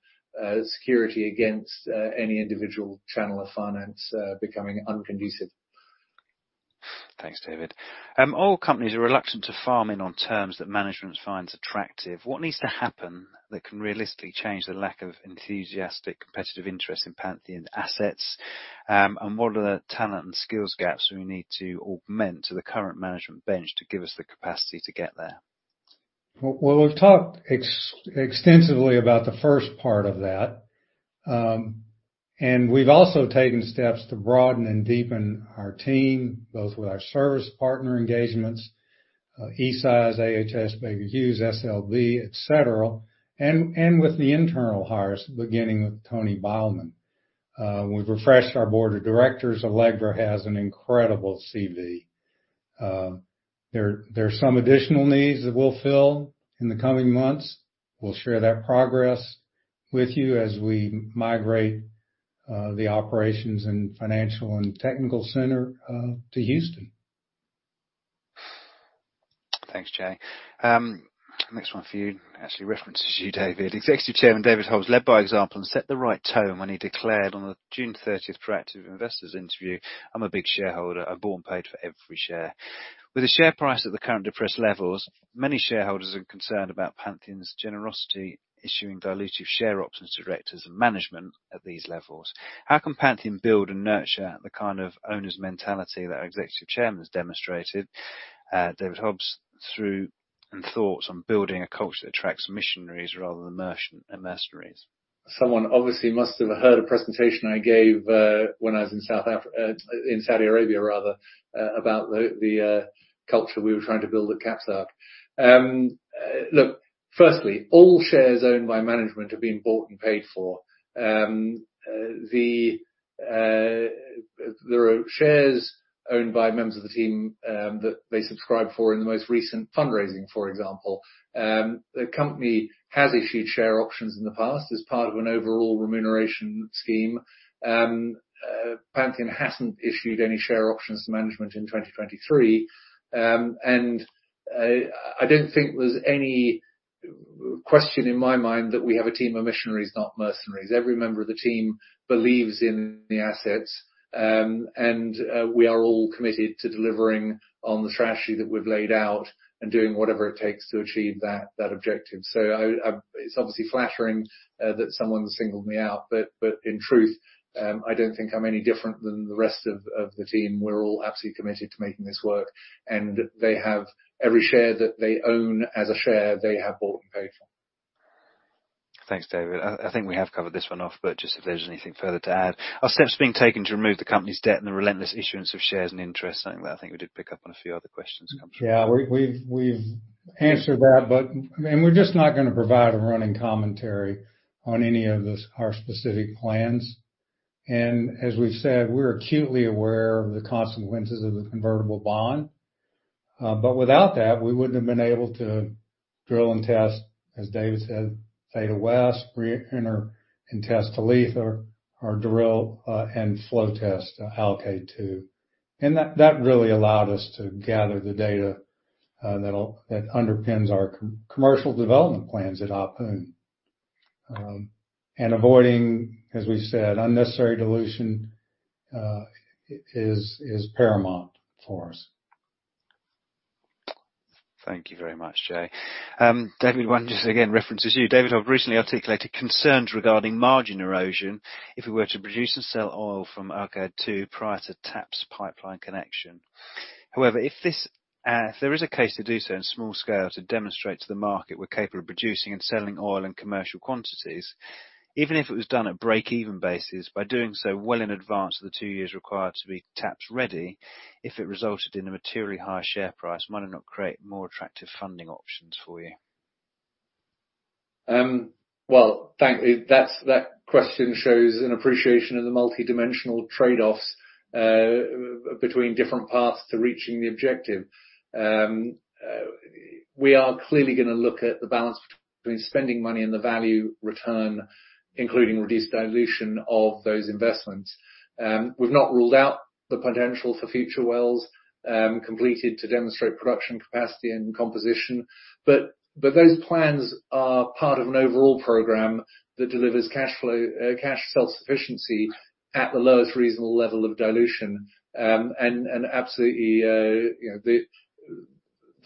security against any individual channel of finance becoming unconducive. Thanks, David. Oil companies are reluctant to farm in on terms that management finds attractive. What needs to happen that can realistically change the lack of enthusiastic competitive interest in Pantheon assets? What are the talent and skills gaps we need to augment to the current management bench to give us the capacity to get there? Well, we've talked extensively about the first part of that. We've also taken steps to broaden and deepen our team, both with our service partner engagements, NSAI, AHS, Baker Hughes, SLB, et cetera, and with the internal hires, beginning with Tony Beilman. We've refreshed our board of directors. Allegra has an incredible CV. There are some additional needs that we'll fill in the coming months. We'll share that progress with you as we migrate the operations and financial and technical center to Houston. Thanks, Jay. Next one for you actually references you, David. Executive Chairman David Hobbs led by example and set the right tone when he declared on the June 30 Proactive Investors interview, "I'm a big shareholder. I've bought and paid for every share." With a share price at the current depressed levels, many shareholders are concerned about Pantheon's generosity issuing dilutive share options to directors and management at these levels. How can Pantheon build and nurture the kind of owner's mentality that our executive chairman's demonstrated, David Hobbs, your thoughts on building a culture that attracts missionaries rather than mercenaries? Someone obviously must have heard a presentation I gave when I was in Saudi Arabia rather about the culture we were trying to build at KAPSARC. Look, firstly, all shares owned by management have been bought and paid for. There are shares owned by members of the team that they subscribed for in the most recent fundraising, for example. The company has issued share options in the past as part of an overall remuneration scheme. Pantheon hasn't issued any share options to management in 2023. I don't think there's any question in my mind that we have a team of missionaries, not mercenaries. Every member of the team believes in the assets. We are all committed to delivering on the strategy that we've laid out and doing whatever it takes to achieve that objective. It's obviously flattering that someone singled me out, but in truth, I don't think I'm any different than the rest of the team. We're all absolutely committed to making this work, and they have every share that they own as a share they have bought and paid for. Thanks, David. I think we have covered this one off, but just if there's anything further to add. Are steps being taken to remove the company's debt and the relentless issuance of shares and interest? Something that I think we did pick up on a few other questions come from. Yeah. We've answered that, but we're just not gonna provide a running commentary on any of our specific plans. As we've said, we're acutely aware of the consequences of the convertible bond. But without that, we wouldn't have been able to drill and test, as David said, Theta West, reenter and test Talitha or drill and flow test Alkaid-2. That really allowed us to gather the data that underpins our commercial development plans at Ahpun. Avoiding, as we said, unnecessary dilution is paramount for us. Thank you very much, Jay. David, one just again references you. David, I've recently articulated concerns regarding margin erosion if we were to produce and sell oil from Alkaid-2 prior to TAPS pipeline connection. However, if there is a case to do so in small scale to demonstrate to the market we're capable of producing and selling oil in commercial quantities, even if it was done at break-even basis, by doing so well in advance of the two years required to be TAPS ready, if it resulted in a materially higher share price, might it not create more attractive funding options for you? Well, thank you. That question shows an appreciation of the multidimensional trade-offs between different paths to reaching the objective. We are clearly gonna look at the balance between spending money and the value return, including reduced dilution of those investments. We've not ruled out the potential for future wells completed to demonstrate production capacity and composition. Those plans are part of an overall program that delivers cash self-sufficiency at the lowest reasonable level of dilution. Absolutely, you know,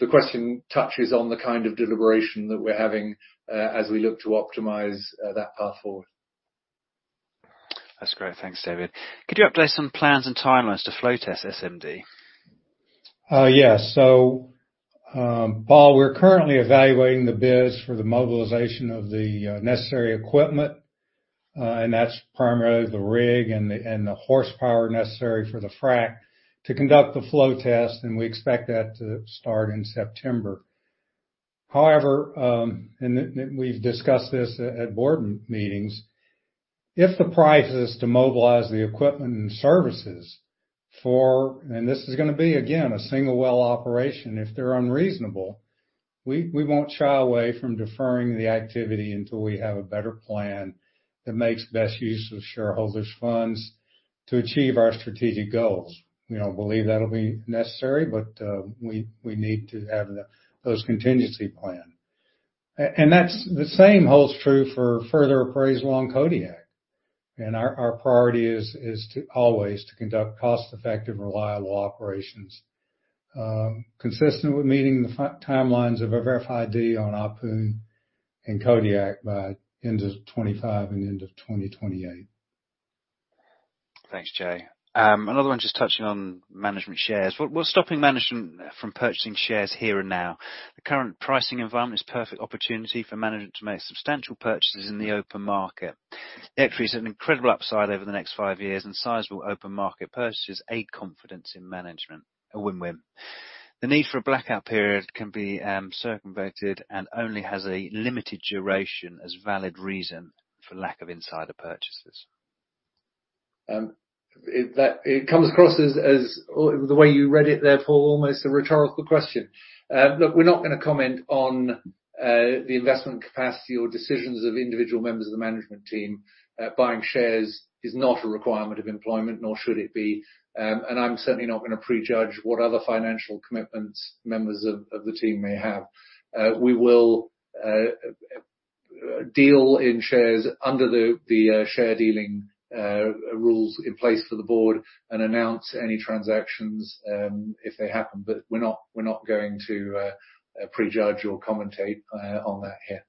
the question touches on the kind of deliberation that we're having as we look to optimize that path forward. That's great. Thanks, David. Could you update us on plans and timelines to flow test SMD? Yes. Paul, we're currently evaluating the bids for the mobilization of the necessary equipment, and that's primarily the rig and the horsepower necessary for the frack to conduct the flow test, and we expect that to start in September. However, we've discussed this at board meetings if the prices to mobilize the equipment and services are unreasonable. This is gonna be, again, a single well operation. If they're unreasonable, we won't shy away from deferring the activity until we have a better plan that makes best use of shareholders' funds to achieve our strategic goals. We don't believe that'll be necessary, but we need to have those contingency plan. That's the same holds true for further appraisal on Kodiak. Our priority is to always conduct cost-effective, reliable operations, consistent with meeting the timelines of a verified deal on Ahpun and Kodiak by end of 2025 and end of 2028. Thanks, Jay. Another one just touching on management shares. What's stopping management from purchasing shares here and now? The current pricing environment is perfect opportunity for management to make substantial purchases in the open market. The trade has an incredible upside over the next five years, and sizable open market purchases aid confidence in management. A win-win. The need for a blackout period can be circumvented and only has a limited duration as valid reason for lack of insider purchases. It comes across as, or the way you read it, therefore, almost a rhetorical question. Look, we're not gonna comment on the investment capacity or decisions of individual members of the management team. Buying shares is not a requirement of employment, nor should it be, and I'm certainly not gonna pre-judge what other financial commitments members of the team may have. We will deal in shares under the share dealing rules in place for the board and announce any transactions if they happen. We're not going to pre-judge or commentate on that here.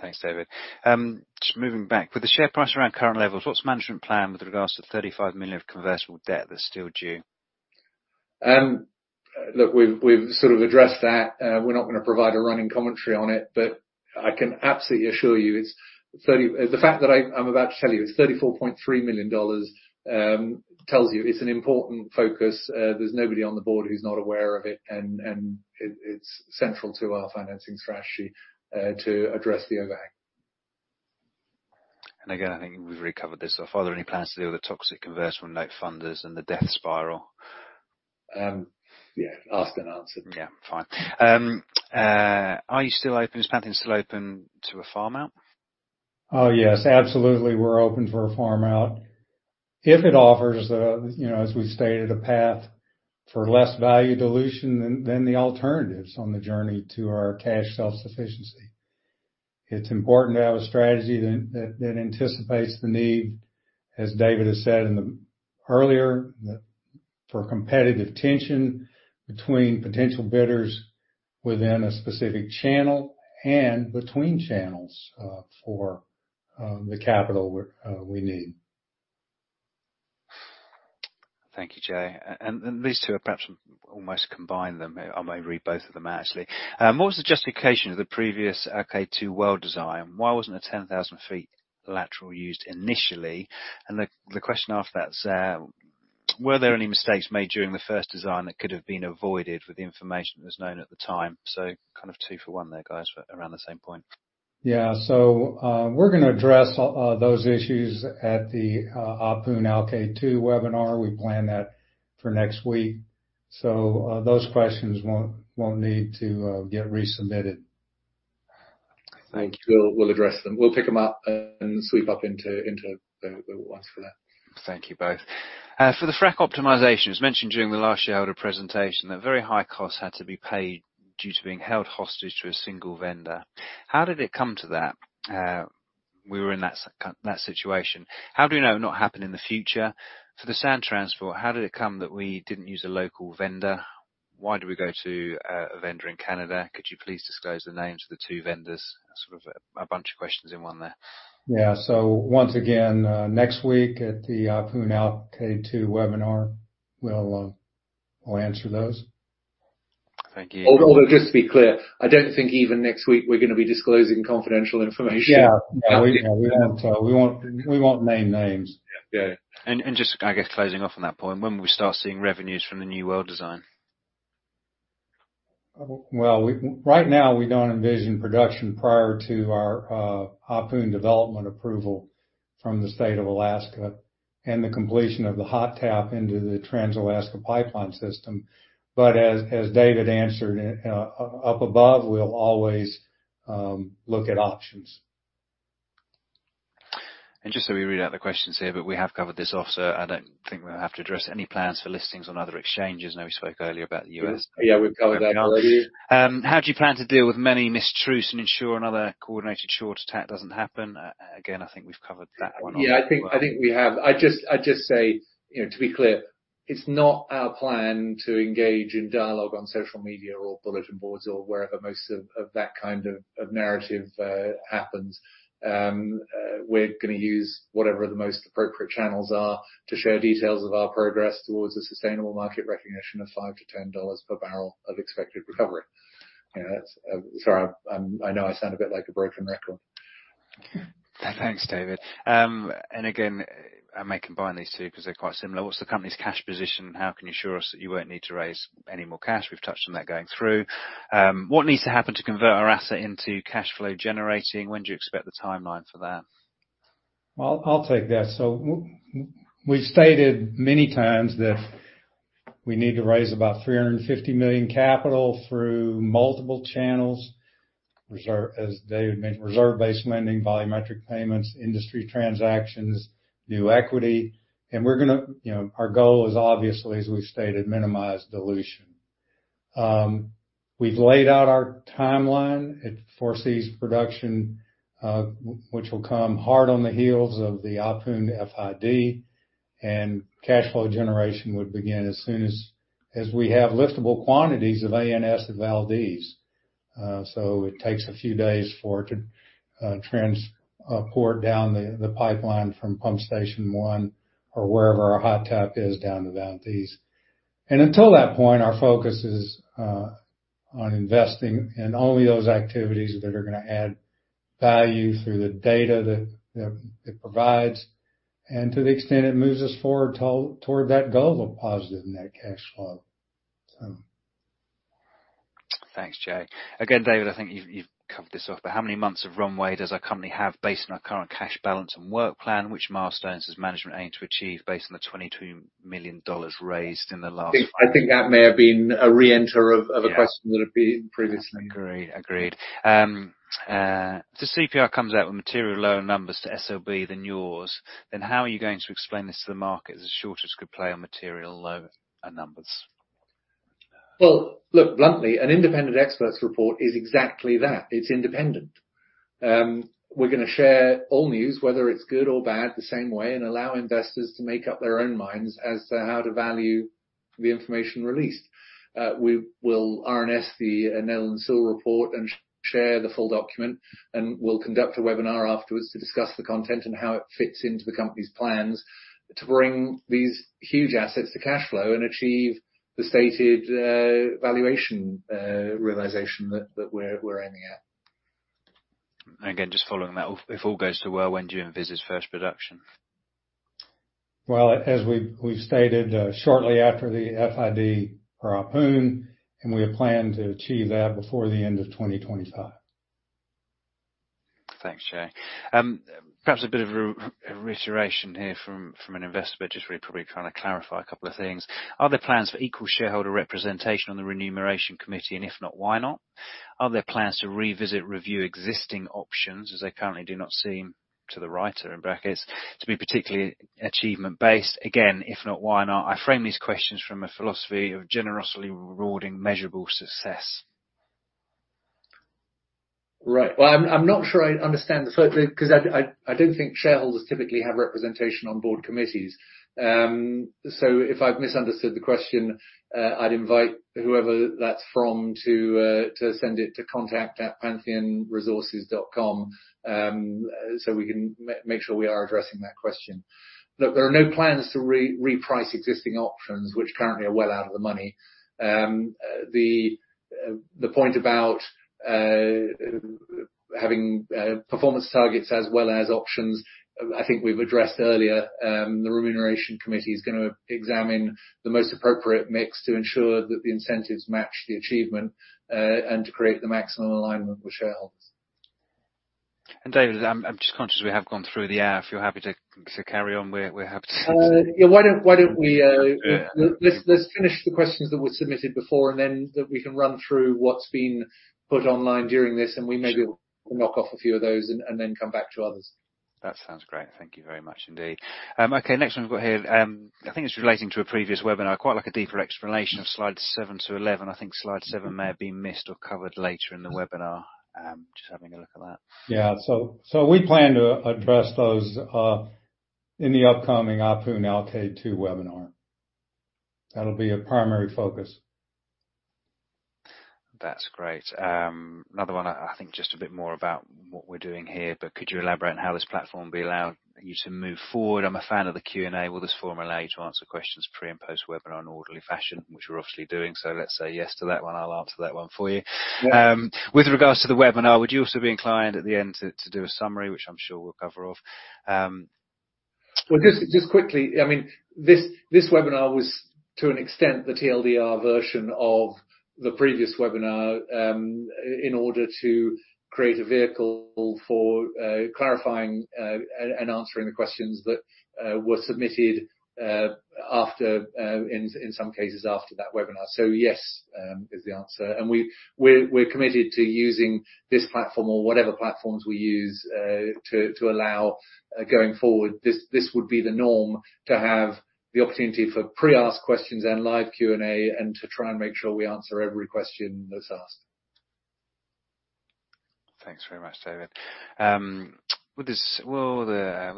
Thanks, David. Just moving back. With the share price around current levels, what's management plan with regards to $35 million of convertible debt that's still due? Look, we've sort of addressed that. We're not gonna provide a running commentary on it. I can absolutely assure you it's $34.3 million. The fact that I'm about to tell you it's $34.3 million tells you it's an important focus. There's nobody on the board who's not aware of it, and it's central to our financing strategy, to address the overhang. Again, I think we've recovered this. Are there any plans to deal with the toxic convertible note funders and the death spiral? Yeah. Asked and answered. Yeah, fine. Is management still open to a farm out? Oh, yes, absolutely, we're open for a farm out. If it offers a, you know, as we've stated, a path for less value dilution than the alternatives on the journey to our cash self-sufficiency. It's important to have a strategy that anticipates the need, as David has said in the earlier, for competitive tension between potential bidders within a specific channel and between channels, for the capital we need. Thank you, Jay. These two are perhaps almost combine them. I may read both of them out actually. What was the justification of the previous Alkaid-2 well design? Why wasn't a 10,000-foot lateral used initially? The question after that is, were there any mistakes made during the first design that could have been avoided with the information that was known at the time? Kind of two for one there, guys, but around the same point. Yeah. We're gonna address those issues at the Ahpun and Alkaid-2 webinar. We plan that for next week. Those questions won't need to get resubmitted. Thank you. We'll address them. We'll pick them up and sweep up into the ones for that. Thank you both. For the frack optimization, as mentioned during the last shareholder presentation, that very high costs had to be paid due to being held hostage to a single vendor. How did it come to that? We were in that situation. How do we know it will not happen in the future? For the sand transport, how did it come that we didn't use a local vendor? Why do we go to a vendor in Canada? Could you please disclose the names of the two vendors? Sort of a bunch of questions in one there. Yeah. Once again, next week at the Alkaid-2 webinar, we'll answer those. Thank you. Although just to be clear, I don't think even next week we're gonna be disclosing confidential information. Yeah. No, we won't name names. Yeah. Just, I guess, closing off on that point, when will we start seeing revenues from the new well design? Well, right now, we don't envision production prior to our Ahpun development approval from the State of Alaska and the completion of the hot tap into the Trans-Alaska Pipeline System. As David answered up above, we'll always look at options. Just so we read out the questions here, but we have covered this off, so I don't think we'll have to address any plans for listings on other exchanges. I know we spoke earlier about the U.S. Yeah, we've covered that already. How do you plan to deal with many mistruths and ensure another coordinated short attack doesn't happen? Again, I think we've covered that one off as well. Yeah, I think we have. I just say, you know, to be clear, it's not our plan to engage in dialogue on social media or bulletin boards or wherever most of that kind of narrative happens. We're gonna use whatever the most appropriate channels are to share details of our progress towards a sustainable market recognition of $5-$10 per barrel of expected recovery. You know, that's. Sorry, I know I sound a bit like a broken record. Thanks, David. Again, I may combine these two 'cause they're quite similar. What's the company's cash position? How can you assure us that you won't need to raise any more cash? We've touched on that going through. What needs to happen to convert our asset into cash flow generating? When do you expect the timeline for that? Well, I'll take that. We've stated many times that we need to raise about $350 million capital through multiple channels. As David mentioned, reserve-based lending, volumetric payments, industry transactions, new equity, and we're gonna, you know, our goal is obviously, as we've stated, minimize dilution. We've laid out our timeline. It foresees production, which will come hard on the heels of the Ahpun FID, and cash flow generation would begin as soon as we have liftable quantities of ANS at Valdez. It takes a few days for it to transport down the pipeline from Pump Station #1 or wherever our hot tap is down to Valdez. Until that point, our focus is on investing in only those activities that are gonna add value through the data that it provides and to the extent it moves us forward toward that goal of positive net cash flow. Thanks, Jay. Again, David, I think you've covered this off. How many months of runway does our company have based on our current cash balance and work plan? Which milestones does management aim to achieve based on the $22 million raised in the last? I think that may have been a reentry of a question. Yeah. that appeared previously. Agreed. If the CPI comes out with material lower numbers to SOB than yours, then how are you going to explain this to the market as the shortage could play on material low numbers? Well, look, bluntly, an independent expert's report is exactly that. It's independent. We're gonna share all news, whether it's good or bad, the same way, and allow investors to make up their own minds as to how to value the information released. We will RNS the NSAI report and share the full document, and we'll conduct a webinar afterwards to discuss the content and how it fits into the company's plans to bring these huge assets to cash flow and achieve the stated valuation realization that we're aiming at. Again, just following that, if all goes so well, when do you envisage first production? Well, as we've stated, shortly after the FID for our Ahpun, we have planned to achieve that before the end of 2025. Thanks, Jay. Perhaps a bit of reiteration here from an investor, but just really probably trying to clarify a couple of things. Are there plans for equal shareholder representation on the Remuneration Committee? And if not, why not? Are there plans to revisit, review existing options, as they currently do not seem, to the writer, in brackets, to be particularly achievement-based? Again, if not, why not? I frame these questions from a philosophy of generously rewarding measurable success. Right. Well, I'm not sure I understand the first bit 'cause I don't think shareholders typically have representation on board committees. If I've misunderstood the question, I'd invite whoever that's from to send it to contact@pantheonresources.com, so we can make sure we are addressing that question. Look, there are no plans to reprice existing options, which currently are well out of the money. The point about having performance targets as well as options, I think we've addressed earlier. The Remuneration Committee is gonna examine the most appropriate mix to ensure that the incentives match the achievement, and to create the maximum alignment with shareholders. David, I'm just conscious we have gone through the hour. If you're happy to carry on, we're happy to. Yeah, why don't we let's finish the questions that were submitted before, and then that we can run through what's been put online during this, and we maybe will knock off a few of those and then come back to others. That sounds great. Thank you very much indeed. Okay, next one we've got here, I think it's relating to a previous webinar. Quite like a deeper explanation of slides seven to 11. I think slide 7 may have been missed or covered later in the webinar. Just having a look at that. We plan to address those in the upcoming Ahpun and Alkaid-2 webinar. That'll be a primary focus. That's great. Another one I think just a bit more about what we're doing here, but could you elaborate on how this platform will allow you to move forward? I'm a fan of the Q&A. Will this forum allow you to answer questions pre- and post-webinar in an orderly fashion? Which we're obviously doing so. Let's say yes to that one. I'll answer that one for you. Yeah. With regards to the webinar, would you also be inclined at the end to do a summary, which I'm sure we'll cover off? Well, just quickly. I mean, this webinar was to an extent the TLDR version of the previous webinar, in order to create a vehicle for clarifying and answering the questions that were submitted after, in some cases after that webinar. Yes is the answer. We're committed to using this platform or whatever platforms we use to allow going forward. This would be the norm to have the opportunity for pre-asked questions and live Q&A and to try and make sure we answer every question that's asked. Thanks very much, David. Will this webinar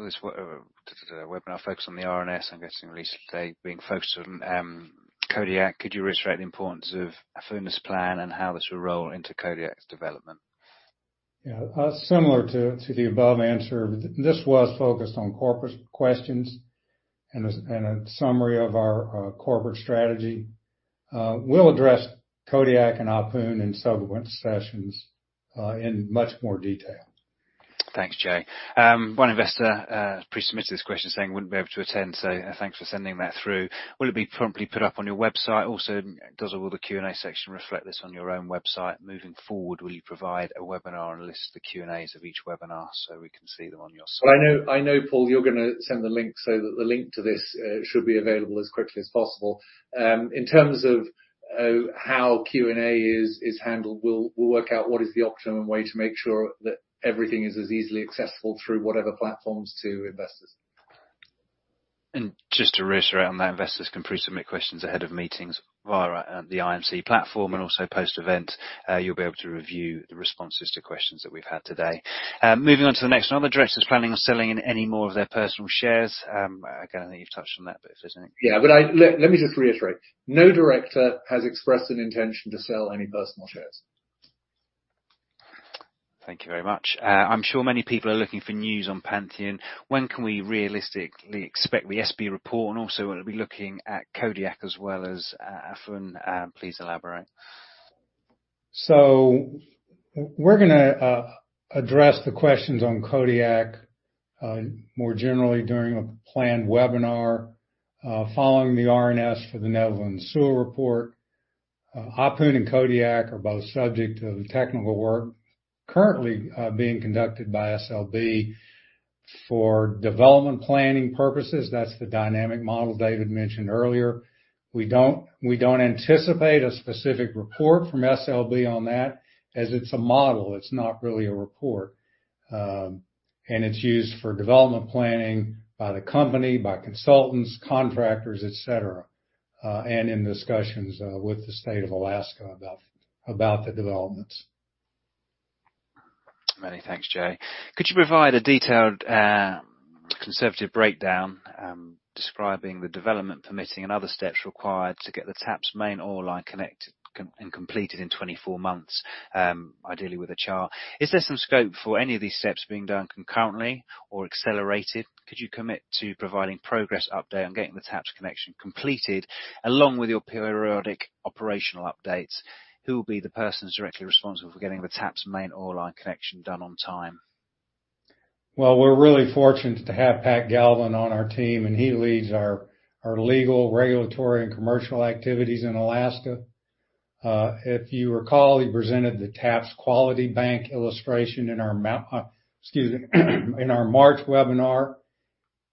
focus on the RNS, I'm guessing recent date being focused on Kodiak. Could you reiterate the importance of Ahpun's plan and how this will roll into Kodiak's development? Yeah. Similar to the above answer. This was focused on corporate questions and a summary of our corporate strategy. We'll address Kodiak and Ahpun in subsequent sessions in much more detail. Thanks, Jay. One investor pre-submitted this question saying wouldn't be able to attend, so thanks for sending that through. Will it be promptly put up on your website? Also, will the Q&A section reflect this on your own website? Moving forward, will you provide a webinar and list the Q&As of each webinar so we can see them on your site? I know, Paul, you're gonna send the link so that the link to this should be available as quickly as possible. In terms of how Q&A is handled, we'll work out what is the optimum way to make sure that everything is as easily accessible through whatever platforms to investors. Just to reiterate on that, investors can pre-submit questions ahead of meetings via the IMC platform, and also post-event, you'll be able to review the responses to questions that we've had today. Moving on to the next. Are the directors planning on selling any more of their personal shares? Again, I think you've touched on that, but if there's any- Let me just reiterate. No director has expressed an intention to sell any personal shares. Thank you very much. I'm sure many people are looking for news on Pantheon. When can we realistically expect the SLB report, and also will it be looking at Kodiak as well as Ahpun? Please elaborate. We're gonna address the questions on Kodiak more generally during a planned webinar following the RNS for the Netherland Sewell report. Ahpun and Kodiak are both subject to the technical work currently being conducted by SLB for development planning purposes. That's the dynamic model David mentioned earlier. We don't anticipate a specific report from SLB on that, as it's a model. It's not really a report. And it's used for development planning by the company, by consultants, contractors, et cetera, and in discussions with the State of Alaska about the developments. Many thanks, Jay. Could you provide a detailed, conservative breakdown, describing the development permitting and other steps required to get the TAPS main oil line connected and completed in 24 months, ideally with a chart? Is there some scope for any of these steps being done concurrently or accelerated? Could you commit to providing progress update on getting the TAPS connection completed along with your periodic operational updates? Who will be the persons directly responsible for getting the TAPS main oil line connection done on time? Well, we're really fortunate to have Pat Galvin on our team, and he leads our legal, regulatory, and commercial activities in Alaska. If you recall, he presented the TAPS Quality Bank illustration in our March webinar.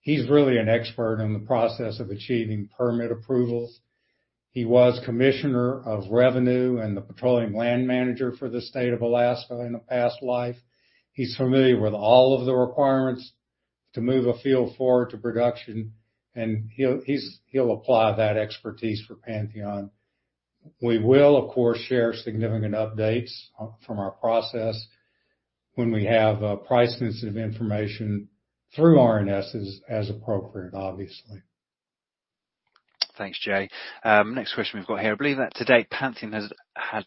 He's really an expert in the process of achieving permit approvals. He was Commissioner of Revenue and the Petroleum Land Manager for the state of Alaska in a past life. He's familiar with all of the requirements to move a field forward to production, and he'll apply that expertise for Pantheon. We will, of course, share significant updates from our process when we have plenty of information through RNSs as appropriate, obviously. Thanks, Jay. Next question we've got here. I believe that to date, Pantheon has had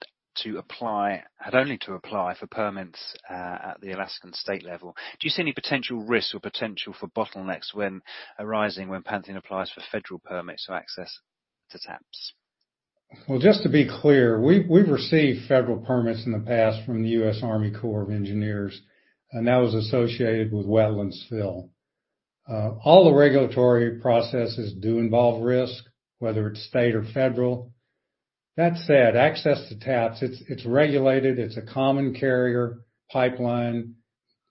only to apply for permits at the Alaskan state level. Do you see any potential risks or potential for bottlenecks when Pantheon applies for federal permits or access to TAPS? Well, just to be clear, we've received federal permits in the past from the U.S. Army Corps of Engineers, and that was associated with wetlands fill. All the regulatory processes do involve risk, whether it's state or federal. That said, access to TAPS, it's regulated. It's a common carrier pipeline.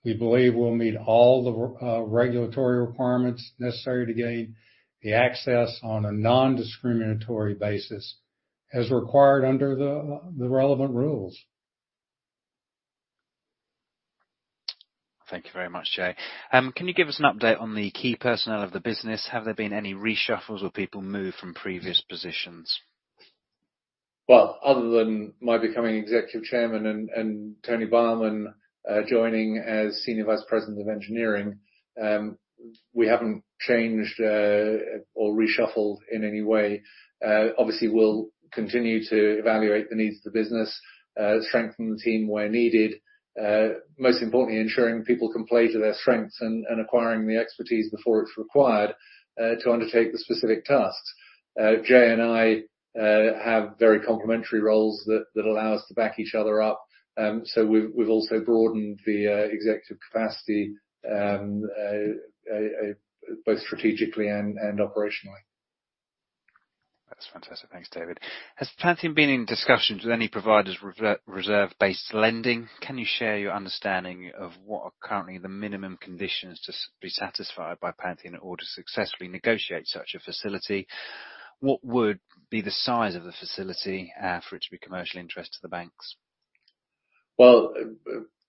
We believe we'll meet all the regulatory requirements necessary to gain the access on a non-discriminatory basis, as required under the relevant rules. Thank you very much, Jay. Can you give us an update on the key personnel of the business? Have there been any reshuffles or people moved from previous positions? Well, other than my becoming Executive Chairman and Tony Beilman joining as Senior Vice President of Engineering, we haven't changed or reshuffled in any way. Obviously we'll continue to evaluate the needs of the business, strengthen the team where needed, most importantly, ensuring people can play to their strengths and acquiring the expertise before it's required to undertake the specific tasks. Jay and I have very complementary roles that allow us to back each other up. We've also broadened the executive capacity both strategically and operationally. That's fantastic. Thanks, David. Has Pantheon been in discussions with any providers of reserve-based lending? Can you share your understanding of what are currently the minimum conditions to be satisfied by Pantheon in order to successfully negotiate such a facility? What would be the size of the facility, for it to be commercial interest to the banks? Well,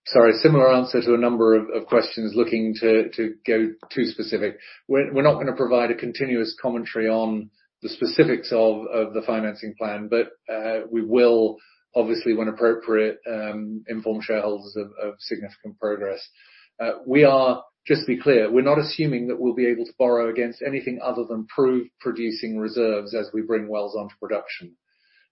sorry, similar answer to a number of questions looking to go too specific. We're not gonna provide a continuous commentary on the specifics of the financing plan. We will, obviously, when appropriate, inform shareholders of significant progress. Just to be clear, we're not assuming that we'll be able to borrow against anything other than proved producing reserves as we bring wells onto production.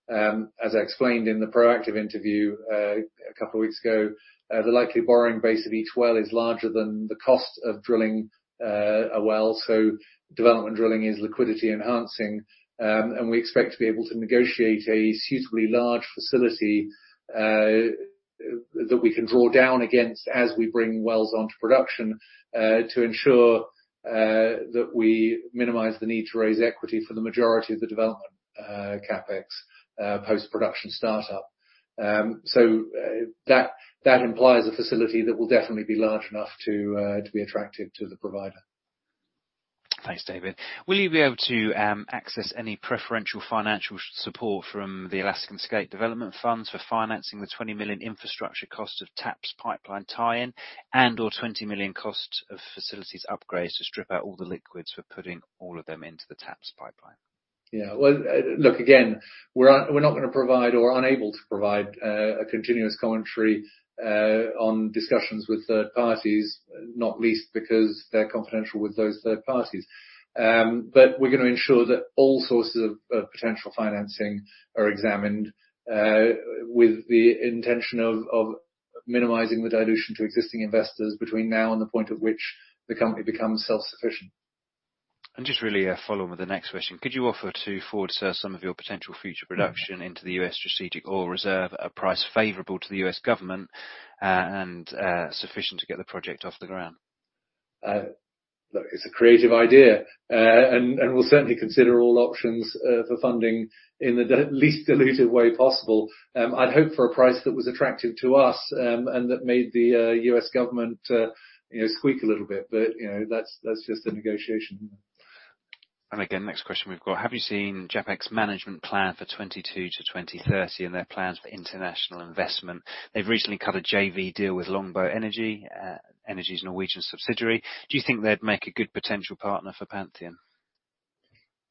As I explained in the Proactive interview a couple of weeks ago, the likely borrowing base of each well is larger than the cost of drilling a well, so development drilling is liquidity enhancing. We expect to be able to negotiate a suitably large facility that we can draw down against as we bring wells onto production to ensure that we minimize the need to raise equity for the majority of the development CapEx post-production startup. That implies a facility that will definitely be large enough to be attractive to the provider. Thanks, David. Will you be able to access any preferential financial support from the Alaskan State Development Funds for financing the $20 million infrastructure cost of TAPS pipeline tie-in and/or $20 million cost of facilities upgrades to strip out all the liquids for putting all of them into the TAPS pipeline? Yeah. Well, look, again, we're not gonna provide or unable to provide a continuous commentary on discussions with third parties, not least because they're confidential with those third parties. We're gonna ensure that all sources of potential financing are examined with the intention of minimizing the dilution to existing investors between now and the point at which the company becomes self-sufficient. Just really following with the next question, could you offer to forward sell some of your potential future production into the U.S. Strategic Oil Reserve at a price favorable to the U.S. government and sufficient to get the project off the ground? Look, it's a creative idea, and we'll certainly consider all options for funding in the least dilutive way possible. I'd hope for a price that was attractive to us, and that made the U.S. government, you know, squeak a little bit, but, you know, that's just the negotiation. Again, next question we've got. Have you seen JAPEX management plan for 2022 to 2030 and their plans for international investment? They've recently cut a JV deal with Longboat Energy's Norwegian subsidiary. Do you think they'd make a good potential partner for Pantheon?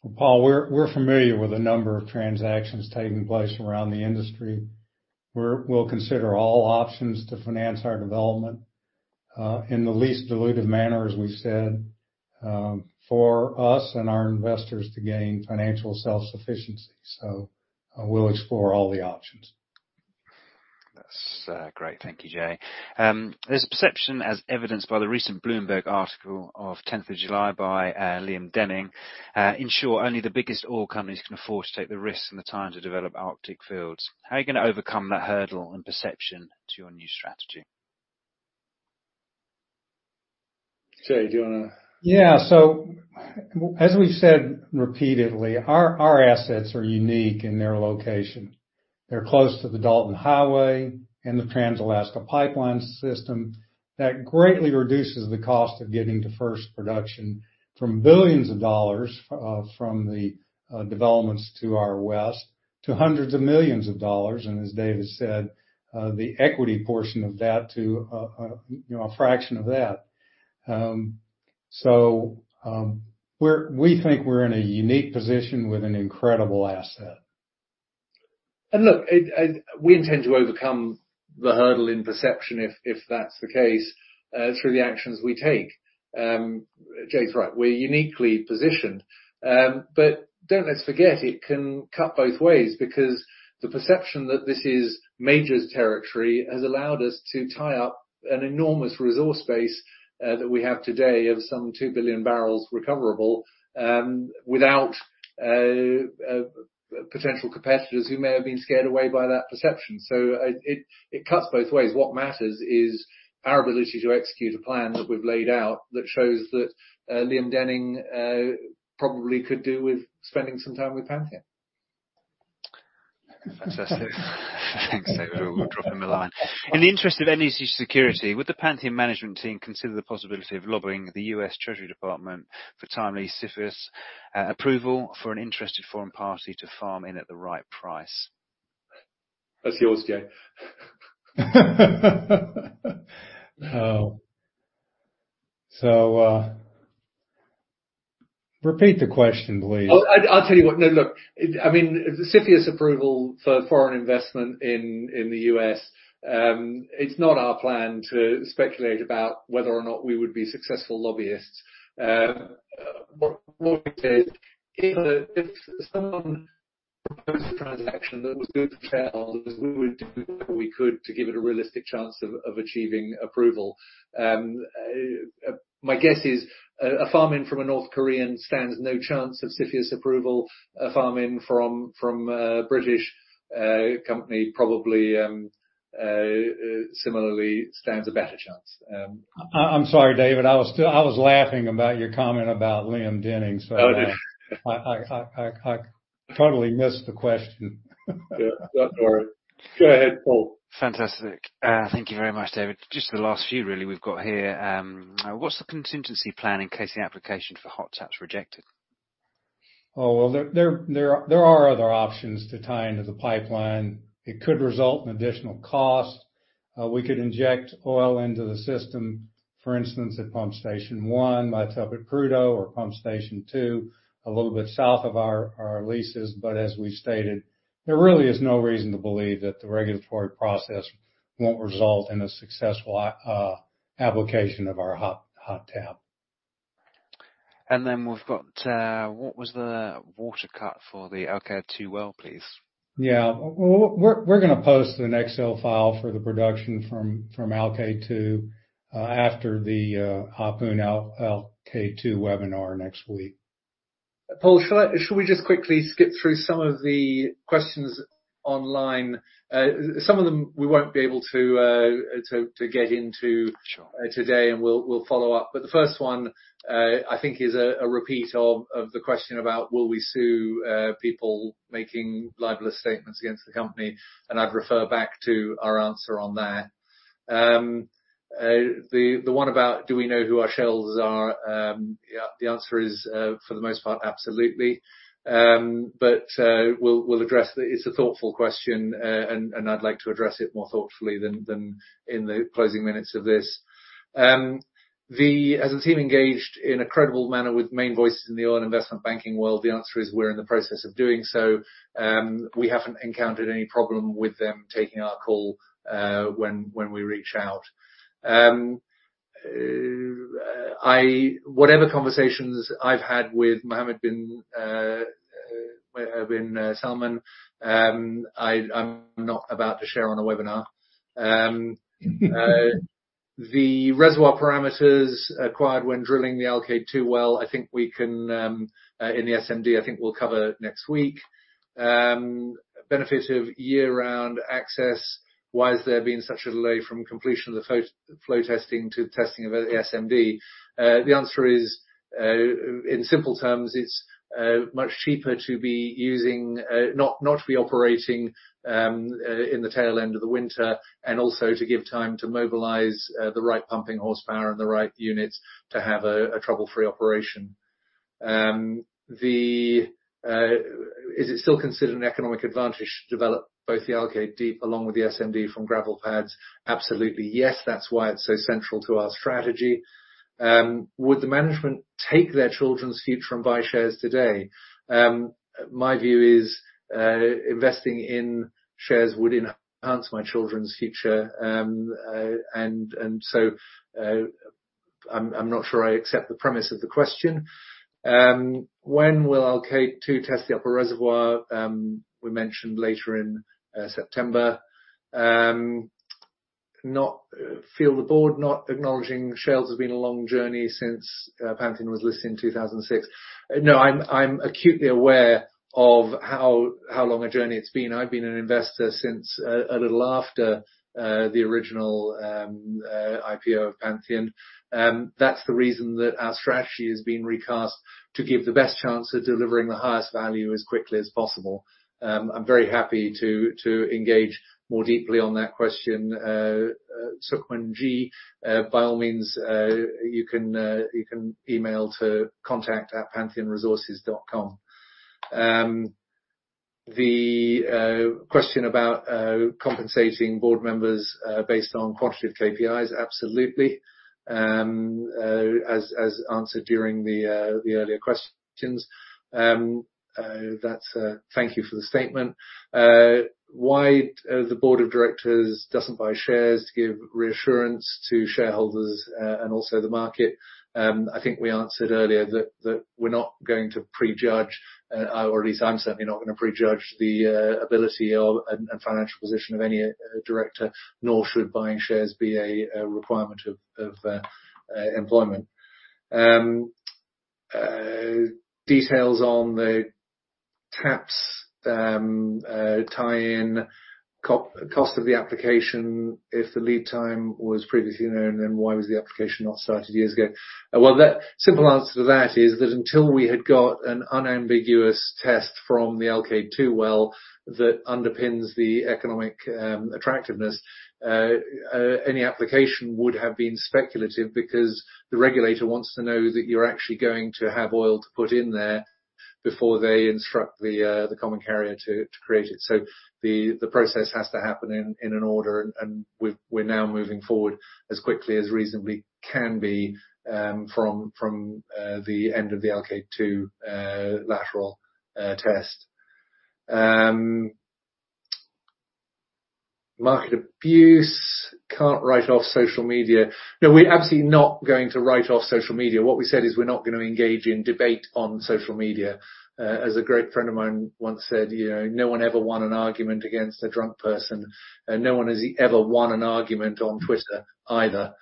Well, Paul, we're familiar with a number of transactions taking place around the industry. We'll consider all options to finance our development in the least dilutive manner, as we've said, for us and our investors to gain financial self-sufficiency. We'll explore all the options. That's great. Thank you, Jay. There's a perception as evidenced by the recent Bloomberg article of the 10 July 2023 by Liam Denning that ensures only the biggest oil companies can afford to take the risk and the time to develop Arctic fields. How are you gonna overcome that hurdle and perception to your new strategy? Jay, do you wanna- As we've said repeatedly, our assets are unique in their location. They're close to the Dalton Highway and the Trans-Alaska Pipeline System that greatly reduces the cost of getting to first production from billions from the developments to our west to hundreds of millions, and as David said, the equity portion of that to a fraction of that. We think we're in a unique position with an incredible asset. Look, we intend to overcome the hurdle in perception if that's the case through the actions we take. Jay's right. We're uniquely positioned. Don't let's forget, it can cut both ways because the perception that this is majors territory has allowed us to tie up an enormous resource base that we have today of some 2 Gbbl recoverable without potential competitors who may have been scared away by that perception. It cuts both ways. What matters is our ability to execute a plan that we've laid out that shows that Liam Denning probably could do with spending some time with Pantheon. Fantastic. Thanks, David. We'll drop him a line. In the interest of national security, would the Pantheon management team consider the possibility of lobbying the U.S. Department of the Treasury for timely CFIUS approval for an interested foreign party to farm in at the right price? That's yours, Jay. Repeat the question, please. I'll tell you what. No, look, I mean, the CFIUS approval for foreign investment in the U.S., it's not our plan to speculate about whether or not we would be successful lobbyists. What we did, you know, if someone proposed a transaction that was good for shareholders, we would do what we could to give it a realistic chance of achieving approval. My guess is, a farm in from a North Korean stands no chance of CFIUS approval. A farm in from a British company probably similarly stands a better chance. I'm sorry, David. I was laughing about your comment about Liam Denning, so Oh, yeah. I totally missed the question. Yeah. Not to worry. Go ahead, Paul. Fantastic. Thank you very much, David. Just the last few really we've got here. What's the contingency plan in case the application for hot tap's rejected? There are other options to tie into the pipeline. It could result in additional cost. We could inject oil into the system, for instance, at Pump Station #1, might tap into crude, or Pump Station #2, a little bit south of our leases. As we've stated, there really is no reason to believe that the regulatory process won't result in a successful application of our hot tap. We've got what was the water cut for the Alkaid-2 well, please? Yeah. We're gonna post an Excel file for the production from Alkaid-2 after the Alkaid-2 webinar next week. Paul, shall we just quickly skip through some of the questions online? Some of them we won't be able to get into. Sure. Today, we'll follow up. The first one I think is a repeat of the question about will we sue people making libelous statements against the company, and I'd refer back to our answer on there. The one about do we know who our shareholders are, yeah, the answer is for the most part, absolutely. We'll address it. It's a thoughtful question, and I'd like to address it more thoughtfully than in the closing minutes of this. Has the team engaged in a credible manner with main voices in the oil and investment banking world? The answer is we're in the process of doing so. We haven't encountered any problem with them taking our call when we reach out. Whatever conversations I've had with Mohammed bin Salman, I'm not about to share on a webinar. The reservoir parameters acquired when drilling the Alkaid-2 well, I think we can in the SMD, I think we'll cover next week. Benefit of year-round access. Why has there been such a delay from completion of the flow testing to testing of the SMD? The answer is, in simple terms, it's much cheaper not to be operating in the tail end of the winter, and also to give time to mobilize the right pumping horsepower and the right units to have a trouble-free operation. Is it still considered an economic advantage to develop both the Alkaid Deep along with the SMD from gravel pads? Absolutely, yes. That's why it's so central to our strategy. Would the management take their children's future and buy shares today? My view is, investing in shares would enhance my children's future. I'm not sure I accept the premise of the question. When will Alkaid-2 test the upper reservoir? We mentioned later in September. Not for the board, not acknowledging shareholders has been a long journey since Pantheon was listed in 2006. No, I'm acutely aware of how long a journey it's been. I've been an investor since a little after the original IPO of Pantheon. That's the reason that our strategy is being recast to give the best chance of delivering the highest value as quickly as possible. I'm very happy to engage more deeply on that question. Sukhmanji, by all means, you can email to contact@pantheonresources.com. The question about compensating board members based on quantitative KPIs, absolutely. As answered during the earlier questions. That's thank you for the statement. Why the board of directors doesn't buy shares to give reassurance to shareholders and also the market? I think we answered earlier that we're not going to prejudge, or at least I'm certainly not gonna prejudge the ability and financial position of any director, nor should buying shares be a requirement of employment. Details on the TAPS tie-in cost of the application. If the lead time was previously known, then why was the application not started years ago? Well, that simple answer to that is that until we had got an unambiguous test from the Alkaid-2 well that underpins the economic attractiveness, any application would have been speculative because the regulator wants to know that you're actually going to have oil to put in there before they instruct the common carrier to create it. The process has to happen in an order, and we're now moving forward as quickly as reasonably can be from the end of the LK2 lateral test. Market abuse. Can't write off social media. No, we're absolutely not going to write off social media. What we said is we're not gonna engage in debate on social media. As a great friend of mine once said, you know, "No one ever won an argument against a drunk person, and no one has ever won an argument on Twitter either."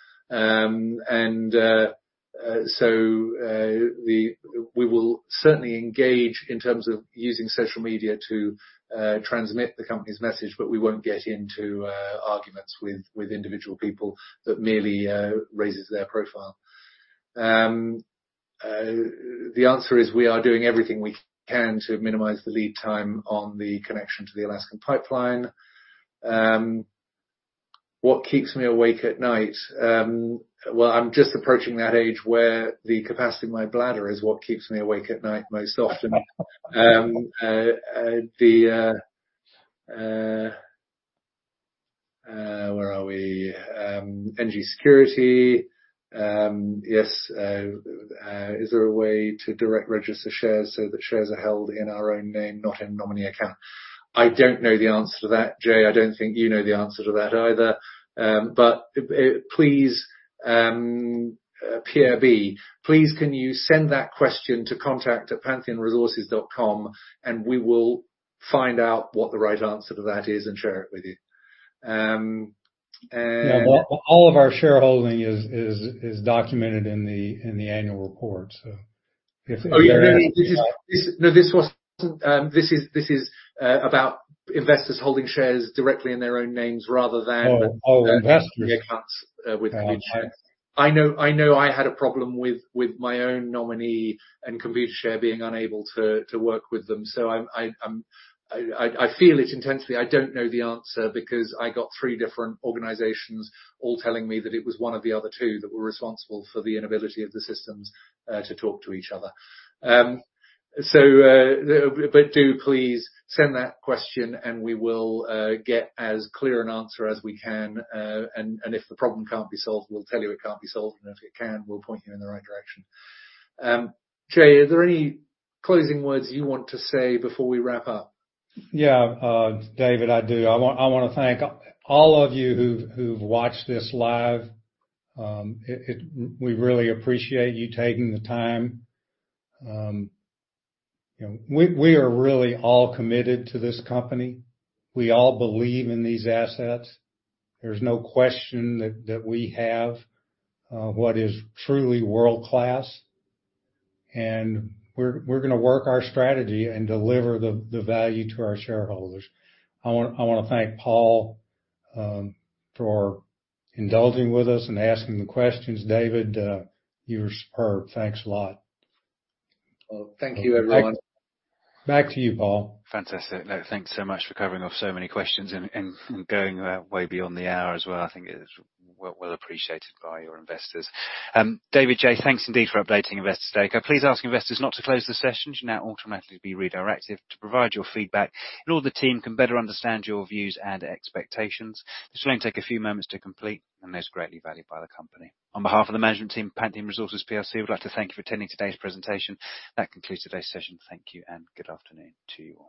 We will certainly engage in terms of using social media to transmit the company's message, but we won't get into arguments with individual people that merely raises their profile. The answer is we are doing everything we can to minimize the lead time on the connection to the Alaskan pipeline. What keeps me awake at night? Well, I'm just approaching that age where the capacity of my bladder is what keeps me awake at night most often. Where are we? Energy security. Yes, is there a way to direct register shares so that shares are held in our own name, not in nominee account? I don't know the answer to that, Jay. I don't think you know the answer to that either. Please, PRB, can you send that question to contact@pantheonresources.com, and we will find out what the right answer to that is and share it with you. Yeah. All of our shareholding is documented in the annual report so if Oh, yeah. This is about investors holding shares directly in their own names rather than- Oh, investors. The accounts with Computershare. I know I had a problem with my own nominee and Computershare being unable to work with them. I feel it intensely. I don't know the answer because I got three different organizations all telling me that it was one of the other two that were responsible for the inability of the systems to talk to each other. But do please send that question, and we will get as clear an answer as we can. If the problem can't be solved, we'll tell you it can't be solved. If it can, we'll point you in the right direction. Jay, are there any closing words you want to say before we wrap up? Yeah, David, I do. I wanna thank all of you who've watched this live. We really appreciate you taking the time. You know, we are really all committed to this company. We all believe in these assets. There's no question that we have what is truly world-class. We're gonna work our strategy and deliver the value to our shareholders. I wanna thank Paul for indulging with us and asking the questions. David, you were superb. Thanks a lot. Well, thank you, everyone. Back to you, Paul. Fantastic. Thanks so much for covering off so many questions and going way beyond the hour as well. I think it was well appreciated by your investors. David, Jay, thanks indeed for updating investors today. Could I please ask investors not to close the session? You should now automatically be redirected to provide your feedback so all the team can better understand your views and expectations. This will only take a few moments to complete and is greatly valued by the company. On behalf of the management team at Pantheon Resources plc, we'd like to thank you for attending today's presentation. That concludes today's session. Thank you, and good afternoon to you all.